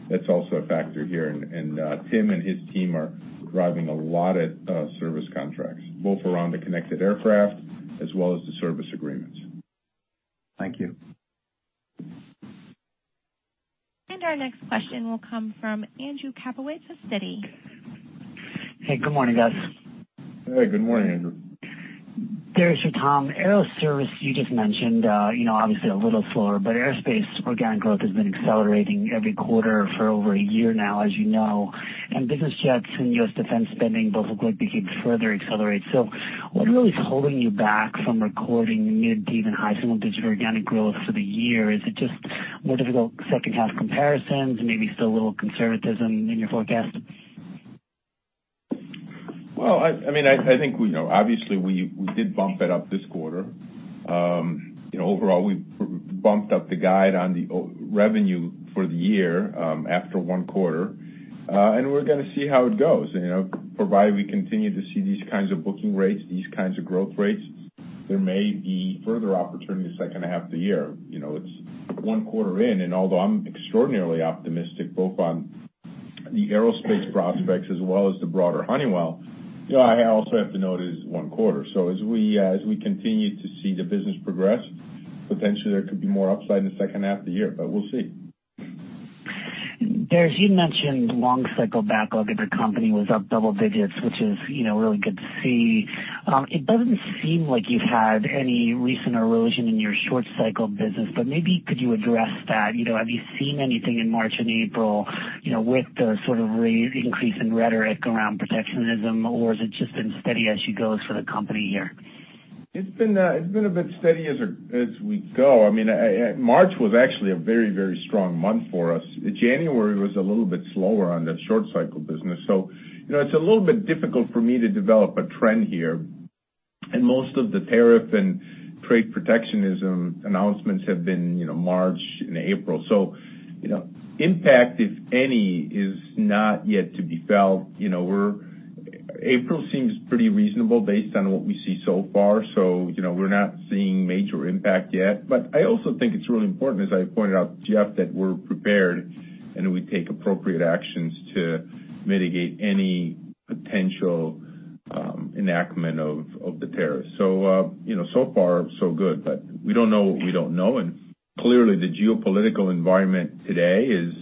Speaker 3: That's also a factor here, and Tim and his team are driving a lot of service contracts, both around the connected aircraft as well as the service agreements.
Speaker 8: Thank you.
Speaker 1: Our next question will come from Andrew Kaplowitz of Citi.
Speaker 9: Hey, good morning, guys.
Speaker 3: Hey, good morning, Andrew.
Speaker 9: Darius or Tom, Aerospace, you just mentioned, obviously a little slower, but Aerospace organic growth has been accelerating every quarter for over a year now, as you know, and business jets and U.S. defense spending both look like they could further accelerate. What really is holding you back from recording mid to even high single-digit organic growth for the year? Is it just more difficult second half comparisons and maybe still a little conservatism in your forecast?
Speaker 3: I think obviously, we did bump it up this quarter. Overall, we bumped up the guide on the revenue for the year after one quarter. We're going to see how it goes. Provided we continue to see these kinds of booking rates, these kinds of growth rates, there may be further opportunity the second half of the year. It's one quarter in, and although I'm extraordinarily optimistic both on the Aerospace prospects as well as the broader Honeywell, I also have to note it is one quarter. As we continue to see the business progress, potentially there could be more upside in the second half of the year, but we'll see.
Speaker 9: Darius, you mentioned long cycle backlog at the company was up double digits, which is really good to see. It doesn't seem like you've had any recent erosion in your short cycle business, but maybe could you address that? Have you seen anything in March and April, with the sort of increase in rhetoric around protectionism, or has it just been steady as she goes for the company here?
Speaker 3: It's been a bit steady as we go. March was actually a very strong month for us. January was a little bit slower on the short cycle business. It's a little bit difficult for me to develop a trend here. Most of the tariff and trade protectionism announcements have been March and April. Impact, if any, is not yet to be felt. April seems pretty reasonable based on what we see so far, so we're not seeing major impact yet. I also think it's really important, as I pointed out, Jeff, that we're prepared and we take appropriate actions to mitigate any potential enactment of the tariffs. So far, so good, but we don't know what we don't know, and clearly the geopolitical environment today is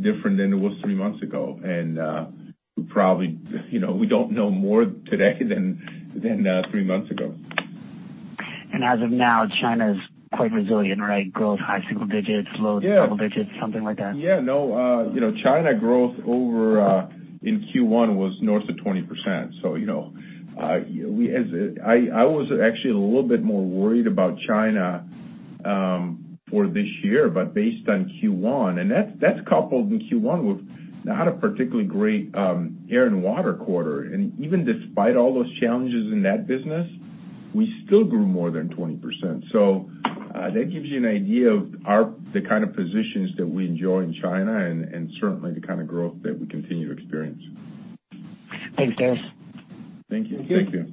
Speaker 3: different than it was three months ago, and we don't know more today than three months ago.
Speaker 9: As of now, China is quite resilient, right? Growth high single digits, low double digits, something like that.
Speaker 3: Yeah. China growth in Q1 was north of 20%. I was actually a little bit more worried about China for this year, based on Q1, and that's coupled in Q1 with not a particularly great air and water quarter. Even despite all those challenges in that business, we still grew more than 20%. That gives you an idea of the kind of positions that we enjoy in China and certainly the kind of growth that we continue to experience.
Speaker 9: Thanks, Darius.
Speaker 3: Thank you.
Speaker 4: Thank you.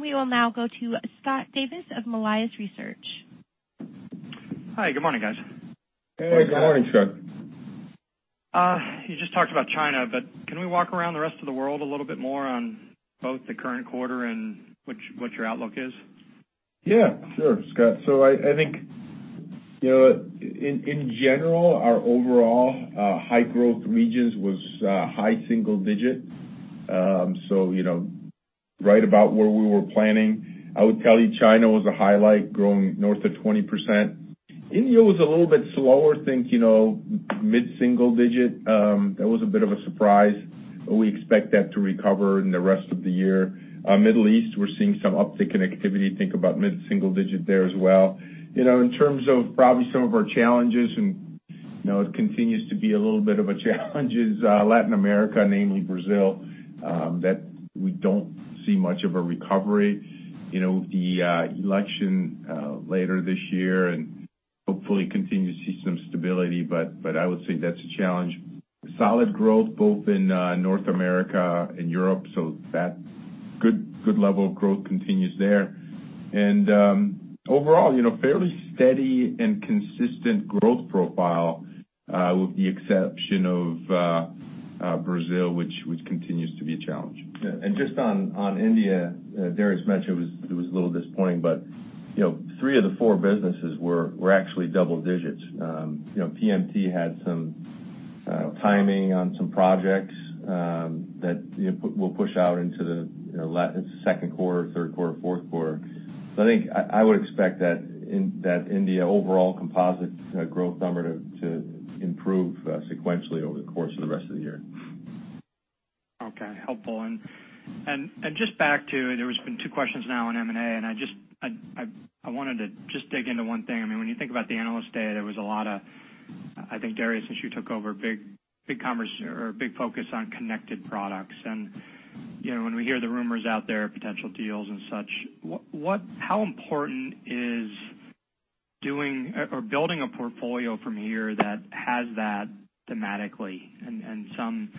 Speaker 1: We will now go to Scott Davis of Melius Research.
Speaker 10: Hi, good morning, guys.
Speaker 3: Hey, good morning, Scott.
Speaker 10: You just talked about China. Can we walk around the rest of the world a little bit more on both the current quarter and what your outlook is?
Speaker 3: Yeah, sure, Scott. I think in general, our overall high growth regions was high single digit. Right about where we were planning. I would tell you China was a highlight, growing north of 20%. India was a little bit slower. Think mid-single digit. That was a bit of a surprise. We expect that to recover in the rest of the year. Middle East, we're seeing some uptick in activity, think about mid-single digit there as well. In terms of probably some of our challenges, it continues to be a little bit of a challenge, is Latin America, namely Brazil, that we don't see much of a recovery. The election later this year and hopefully continue to see some stability. I would say that's a challenge. Solid growth both in North America and Europe, that good level of growth continues there. Overall, fairly steady and consistent growth profile, with the exception of Brazil, which continues to be a challenge.
Speaker 4: Just on India, Darius mentioned it was a little disappointing, but three of the four businesses were actually double digits. PMT had some timing on some projects that we'll push out into the second quarter, third quarter, fourth quarter. I think I would expect that India overall composite growth number to improve sequentially over the course of the rest of the year.
Speaker 10: Okay, helpful. Just back to, there's been two questions now on M&A, I wanted to just dig into one thing. When you think about the Analyst Day, there was a lot of, I think, Darius, since you took over, big focus on connected products. When we hear the rumors out there of potential deals and such, how important is building a portfolio from here that has that thematically and some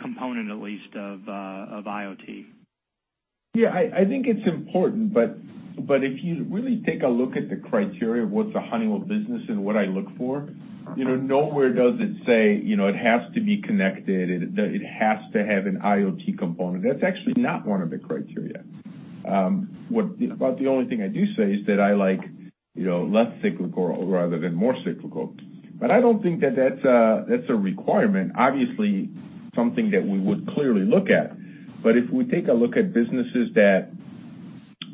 Speaker 10: component at least of IoT?
Speaker 3: I think it's important, if you really take a look at the criteria of what's a Honeywell business and what I look for, nowhere does it say it has to be connected, it has to have an IoT component. That's actually not one of the criteria. About the only thing I do say is that I like less cyclical rather than more cyclical. I don't think that that's a requirement. Obviously, something that we would clearly look at. If we take a look at businesses that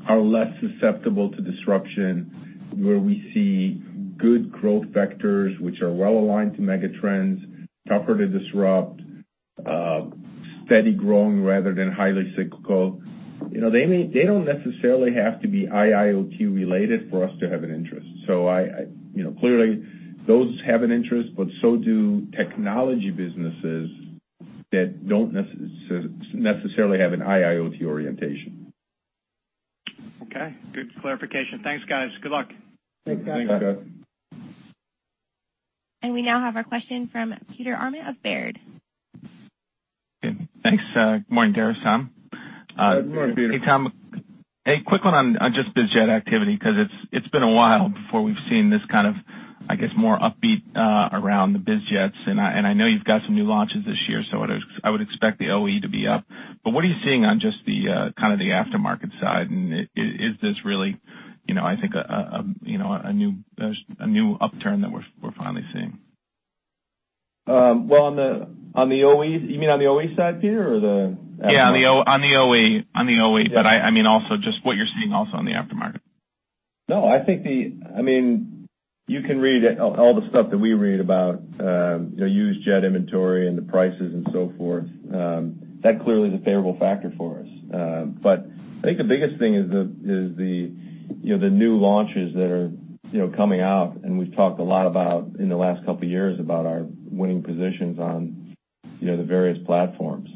Speaker 3: are less susceptible to disruption, where we see good growth vectors which are well aligned to mega trends, tougher to disrupt, steady growing rather than highly cyclical. They don't necessarily have to be IIoT related for us to have an interest. Clearly those have an interest, but so do technology businesses that don't necessarily have an IIoT orientation.
Speaker 10: Okay, good clarification. Thanks, guys. Good luck.
Speaker 3: Thanks, Scott.
Speaker 4: Thanks, Scott.
Speaker 1: We now have our question from Peter Arment of Baird.
Speaker 11: Good, thanks. Good morning, Darius, Tom.
Speaker 3: Good morning, Peter.
Speaker 11: Hey, Tom, a quick one on just biz jet activity, because it's been a while before we've seen this kind of, I guess, more upbeat around the biz jets, and I know you've got some new launches this year, so I would expect the OE to be up. What are you seeing on just the aftermarket side, and is this really a new upturn that we're finally seeing?
Speaker 4: Well, on the OE, you mean on the OE side, Peter? The aftermarket?
Speaker 11: Yeah, on the OE. Also just what you're seeing on the aftermarket.
Speaker 4: No, you can read all the stuff that we read about used jet inventory and the prices and so forth. That clearly is a favorable factor for us. I think the biggest thing is the new launches that are coming out, and we've talked a lot in the last couple of years about our winning positions on the various platforms.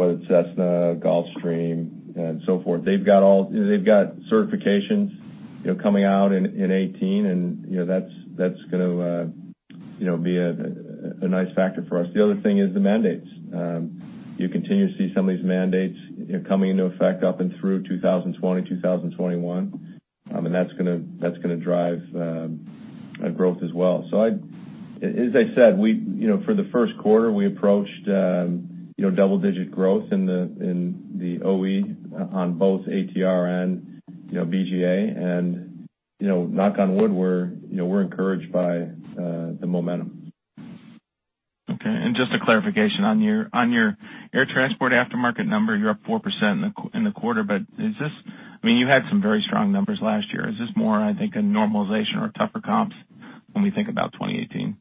Speaker 4: Whether it's Cessna, Gulfstream, and so forth, they've got certifications coming out in 2018, and that's going to be a nice factor for us. The other thing is the mandates. You continue to see some of these mandates coming into effect up and through 2020, 2021, and that's going to drive growth as well. As I said, for the first quarter, we approached double-digit growth in the OE on both ATR and BGA, and knock on wood, we're encouraged by the momentum.
Speaker 11: Okay. Just a clarification, on your air transport aftermarket number, you're up 4% in the quarter, but you had some very strong numbers last year. Is this more, I think, a normalization or tougher comps when we think about 2018?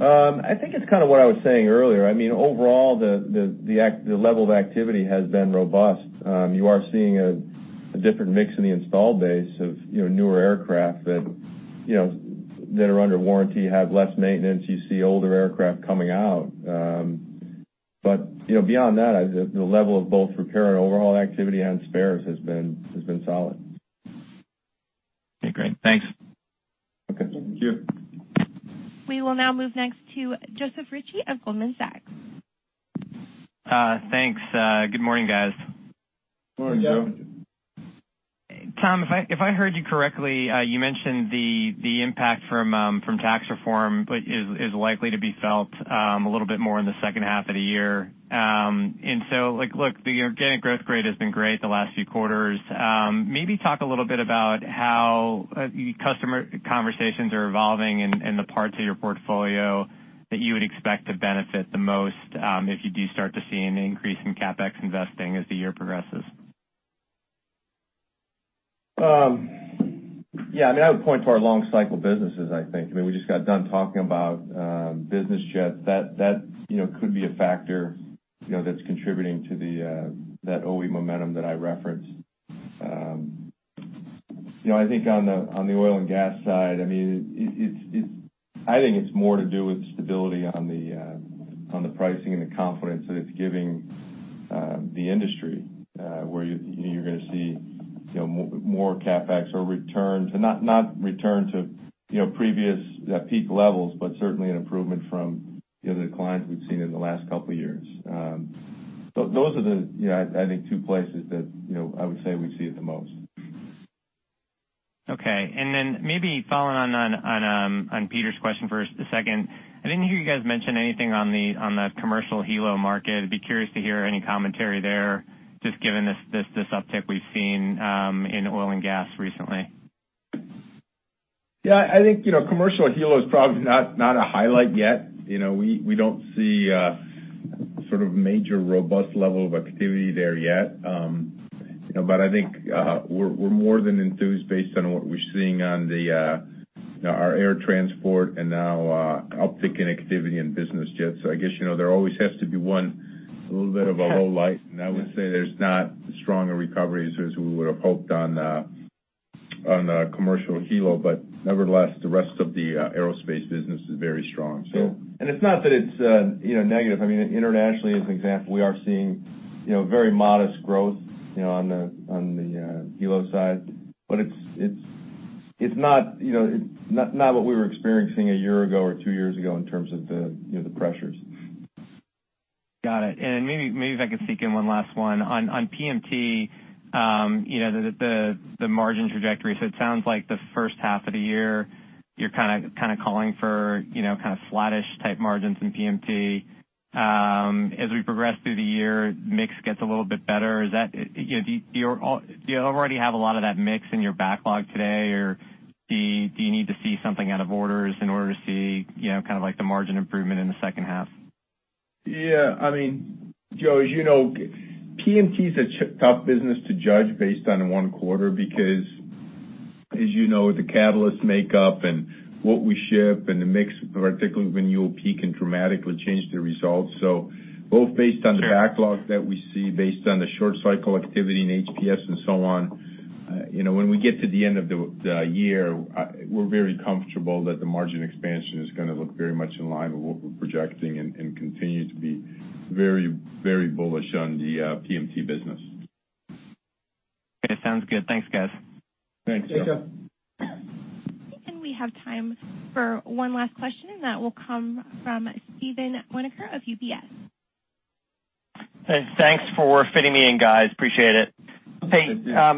Speaker 4: I think it's kind of what I was saying earlier. Overall, the level of activity has been robust. You are seeing a different mix in the installed base of newer aircraft that are under warranty, have less maintenance. You see older aircraft coming out. Beyond that, the level of both repair and overhaul activity on spares has been solid.
Speaker 11: Okay, great. Thanks.
Speaker 4: Okay. Thank you.
Speaker 1: We will now move next to Joseph Ritchie of Goldman Sachs.
Speaker 12: Thanks. Good morning, guys.
Speaker 4: Good morning, Joe.
Speaker 12: Tom, if I heard you correctly, you mentioned the impact from tax reform is likely to be felt a little bit more in the second half of the year. So, the organic growth grade has been great the last few quarters. Maybe talk a little bit about how customer conversations are evolving in the parts of your portfolio that you would expect to benefit the most, if you do start to see an increase in CapEx investing as the year progresses.
Speaker 4: Yeah. I would point to our long cycle businesses. We just got done talking about business jets. That could be a factor that's contributing to that OE momentum that I referenced. I think on the oil and gas side, I think it's more to do with stability on the pricing and the confidence that it's giving the industry, where you're going to see more CapEx or returns. Not return to previous peak levels, but certainly an improvement from the declines we've seen in the last couple of years. Those are the, I think, two places that I would say we see it the most.
Speaker 12: Okay. Then maybe following on Peter's question for a second, I didn't hear you guys mention anything on the commercial helo market. I'd be curious to hear any commentary there, just given this uptick we've seen in oil and gas recently.
Speaker 4: I think commercial helos probably not a highlight yet. We don't see a sort of major robust level of activity there yet. I think we're more than enthused based on what we're seeing on our air transport and now our uptick in activity in business jets. I guess there always has to be one a little bit of a low light, and I would say there's not stronger recoveries as we would've hoped on the commercial helo. Nevertheless, the rest of the aerospace business is very strong.
Speaker 3: It's not that it's negative. Internationally, as an example, we are seeing very modest growth on the helo side. It's not what we were experiencing a year ago or two years ago in terms of the pressures.
Speaker 12: Got it. Maybe if I could sneak in one last one. On PMT, the margin trajectory, it sounds like the first half of the year, you're kind of calling for flattish type margins in PMT. As we progress through the year, mix gets a little bit better. Do you already have a lot of that mix in your backlog today, or do you need to see something out of orders in order to see the margin improvement in the second half?
Speaker 4: Joe, as you know, PMT's a tough business to judge based on one quarter, because as you know, the catalyst makeup and what we ship and the mix, particularly when you'll peak and dramatically change the results. Both based on the backlog that we see, based on the short cycle activity in HPS and so on, when we get to the end of the year, we're very comfortable that the margin expansion is going to look very much in line with what we're projecting, and continue to be very bullish on the PMT business.
Speaker 12: Okay, sounds good. Thanks, guys.
Speaker 4: Thanks, Joe.
Speaker 3: Thanks. I think then we have time for one last question, and that will come from Steven Winoker of UBS.
Speaker 13: Hey, thanks for fitting me in, guys. Appreciate it.
Speaker 4: Yeah.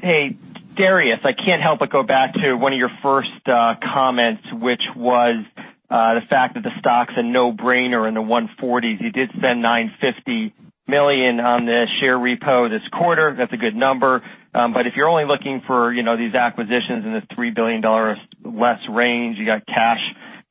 Speaker 13: Hey, Darius, I can't help but go back to one of your first comments, which was the fact that the stock's a no-brainer in the 140s. You did spend $950 million on the share repo this quarter. That's a good number. If you're only looking for these acquisitions in the $3 billion less range, you got cash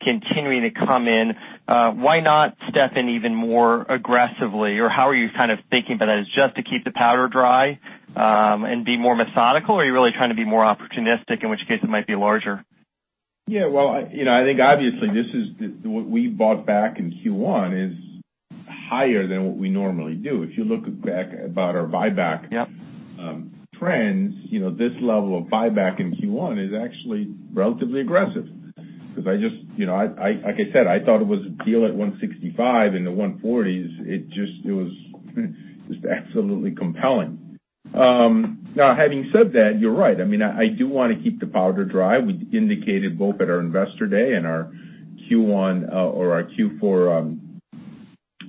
Speaker 13: continuing to come in. Why not step in even more aggressively? How are you kind of thinking about that? Is it just to keep the powder dry, and be more methodical, or are you really trying to be more opportunistic, in which case it might be larger?
Speaker 4: Yeah. Well, I think obviously, what we bought back in Q1 is higher than what we normally do. If you look back about our buyback
Speaker 13: Yep
Speaker 4: trends, this level of buyback in Q1 is actually relatively aggressive. Like I said, I thought it was a deal at 165. In the 140s it was just absolutely compelling. Having said that, you're right. I do want to keep the powder dry. We indicated both at our investor day and our Q4 investor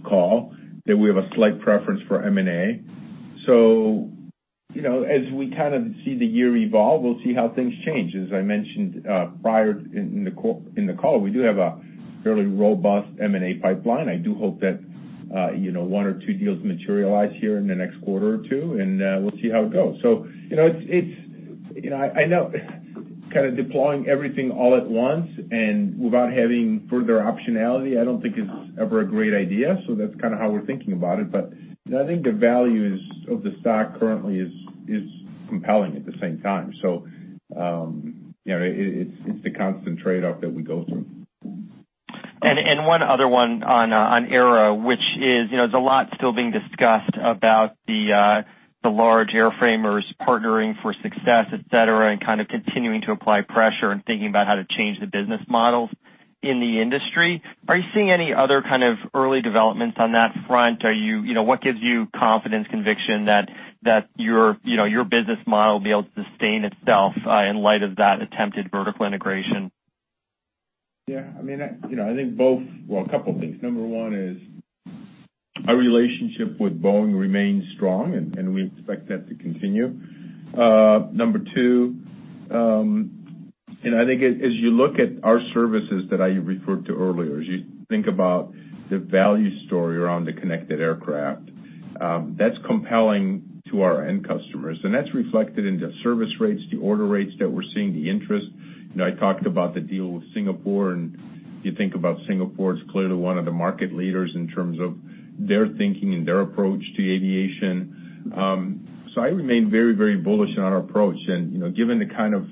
Speaker 3: Call that we have a slight preference for M&A. As we see the year evolve, we'll see how things change. As I mentioned, prior in the call, we do have a fairly robust M&A pipeline. I do hope that one or two deals materialize here in the next quarter or two, and we'll see how it goes. I know deploying everything all at once and without having further optionality, I don't think is ever a great idea. That's how we're thinking about it. I think the value of the stock currently is compelling at the same time. It's the constant trade-off that we go through.
Speaker 13: One other one on aero, which is, there's a lot still being discussed about the large airframers partnering for success, et cetera, and continuing to apply pressure and thinking about how to change the business models in the industry. Are you seeing any other kind of early developments on that front? What gives you confidence, conviction that your business model will be able to sustain itself, in light of that attempted vertical integration?
Speaker 3: A couple things. Number one is our relationship with Boeing remains strong, and we expect that to continue. Number two, I think as you look at our services that I referred to earlier, as you think about the value story around the connected aircraft, that's compelling to our end customers, and that's reflected in the service rates, the order rates that we're seeing, the interest. I talked about the deal with Singapore, and you think about Singapore, it's clearly one of the market leaders in terms of their thinking and their approach to aviation. I remain very bullish on our approach. Given the kind of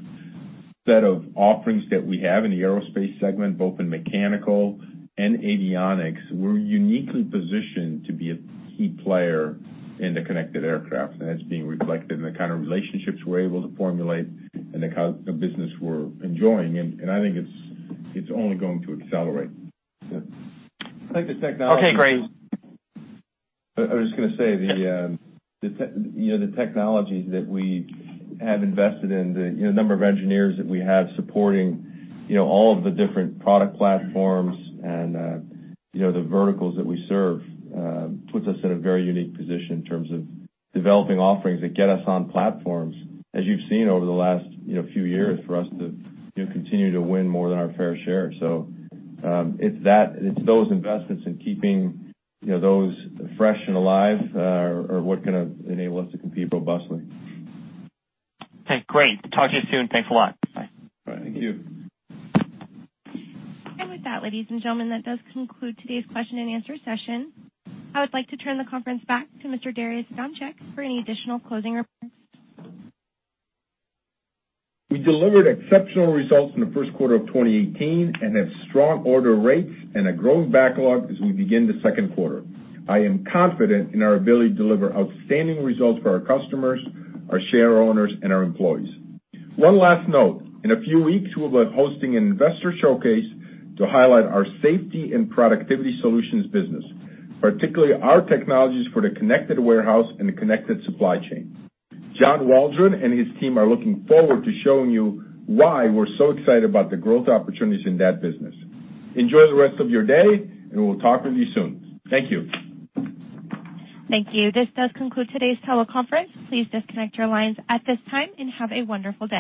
Speaker 3: set of offerings that we have in the Aerospace Segment, both in mechanical and avionics, we're uniquely positioned to be a key player in the connected aircraft, and that's being reflected in the kind of relationships we're able to formulate and the kind of business we're enjoying. I think it's only going to accelerate.
Speaker 13: Okay, great.
Speaker 3: I was just going to say, the technologies that we have invested in, the number of engineers that we have supporting all of the different product platforms and the verticals that we serve, puts us in a very unique position in terms of developing offerings that get us on platforms. As you've seen over the last few years for us to continue to win more than our fair share. It's those investments in keeping those fresh and alive are what enable us to compete robustly.
Speaker 13: Okay, great. Talk to you soon. Thanks a lot. Bye.
Speaker 3: Bye. Thank you.
Speaker 1: With that, ladies and gentlemen, that does conclude today's question and answer session. I would like to turn the conference back to Mr. Darius Adamczyk for any additional closing remarks.
Speaker 3: We delivered exceptional results in the first quarter of 2018 and have strong order rates and a growing backlog as we begin the second quarter. I am confident in our ability to deliver outstanding results for our customers, our shareowners, and our employees. One last note. In a few weeks, we'll be hosting an investor showcase to highlight our Safety and Productivity Solutions business, particularly our technologies for the connected warehouse and the connected supply chain. John Waldron and his team are looking forward to showing you why we're so excited about the growth opportunities in that business. Enjoy the rest of your day, and we'll talk with you soon. Thank you.
Speaker 1: Thank you. This does conclude today's teleconference. Please disconnect your lines at this time and have a wonderful day.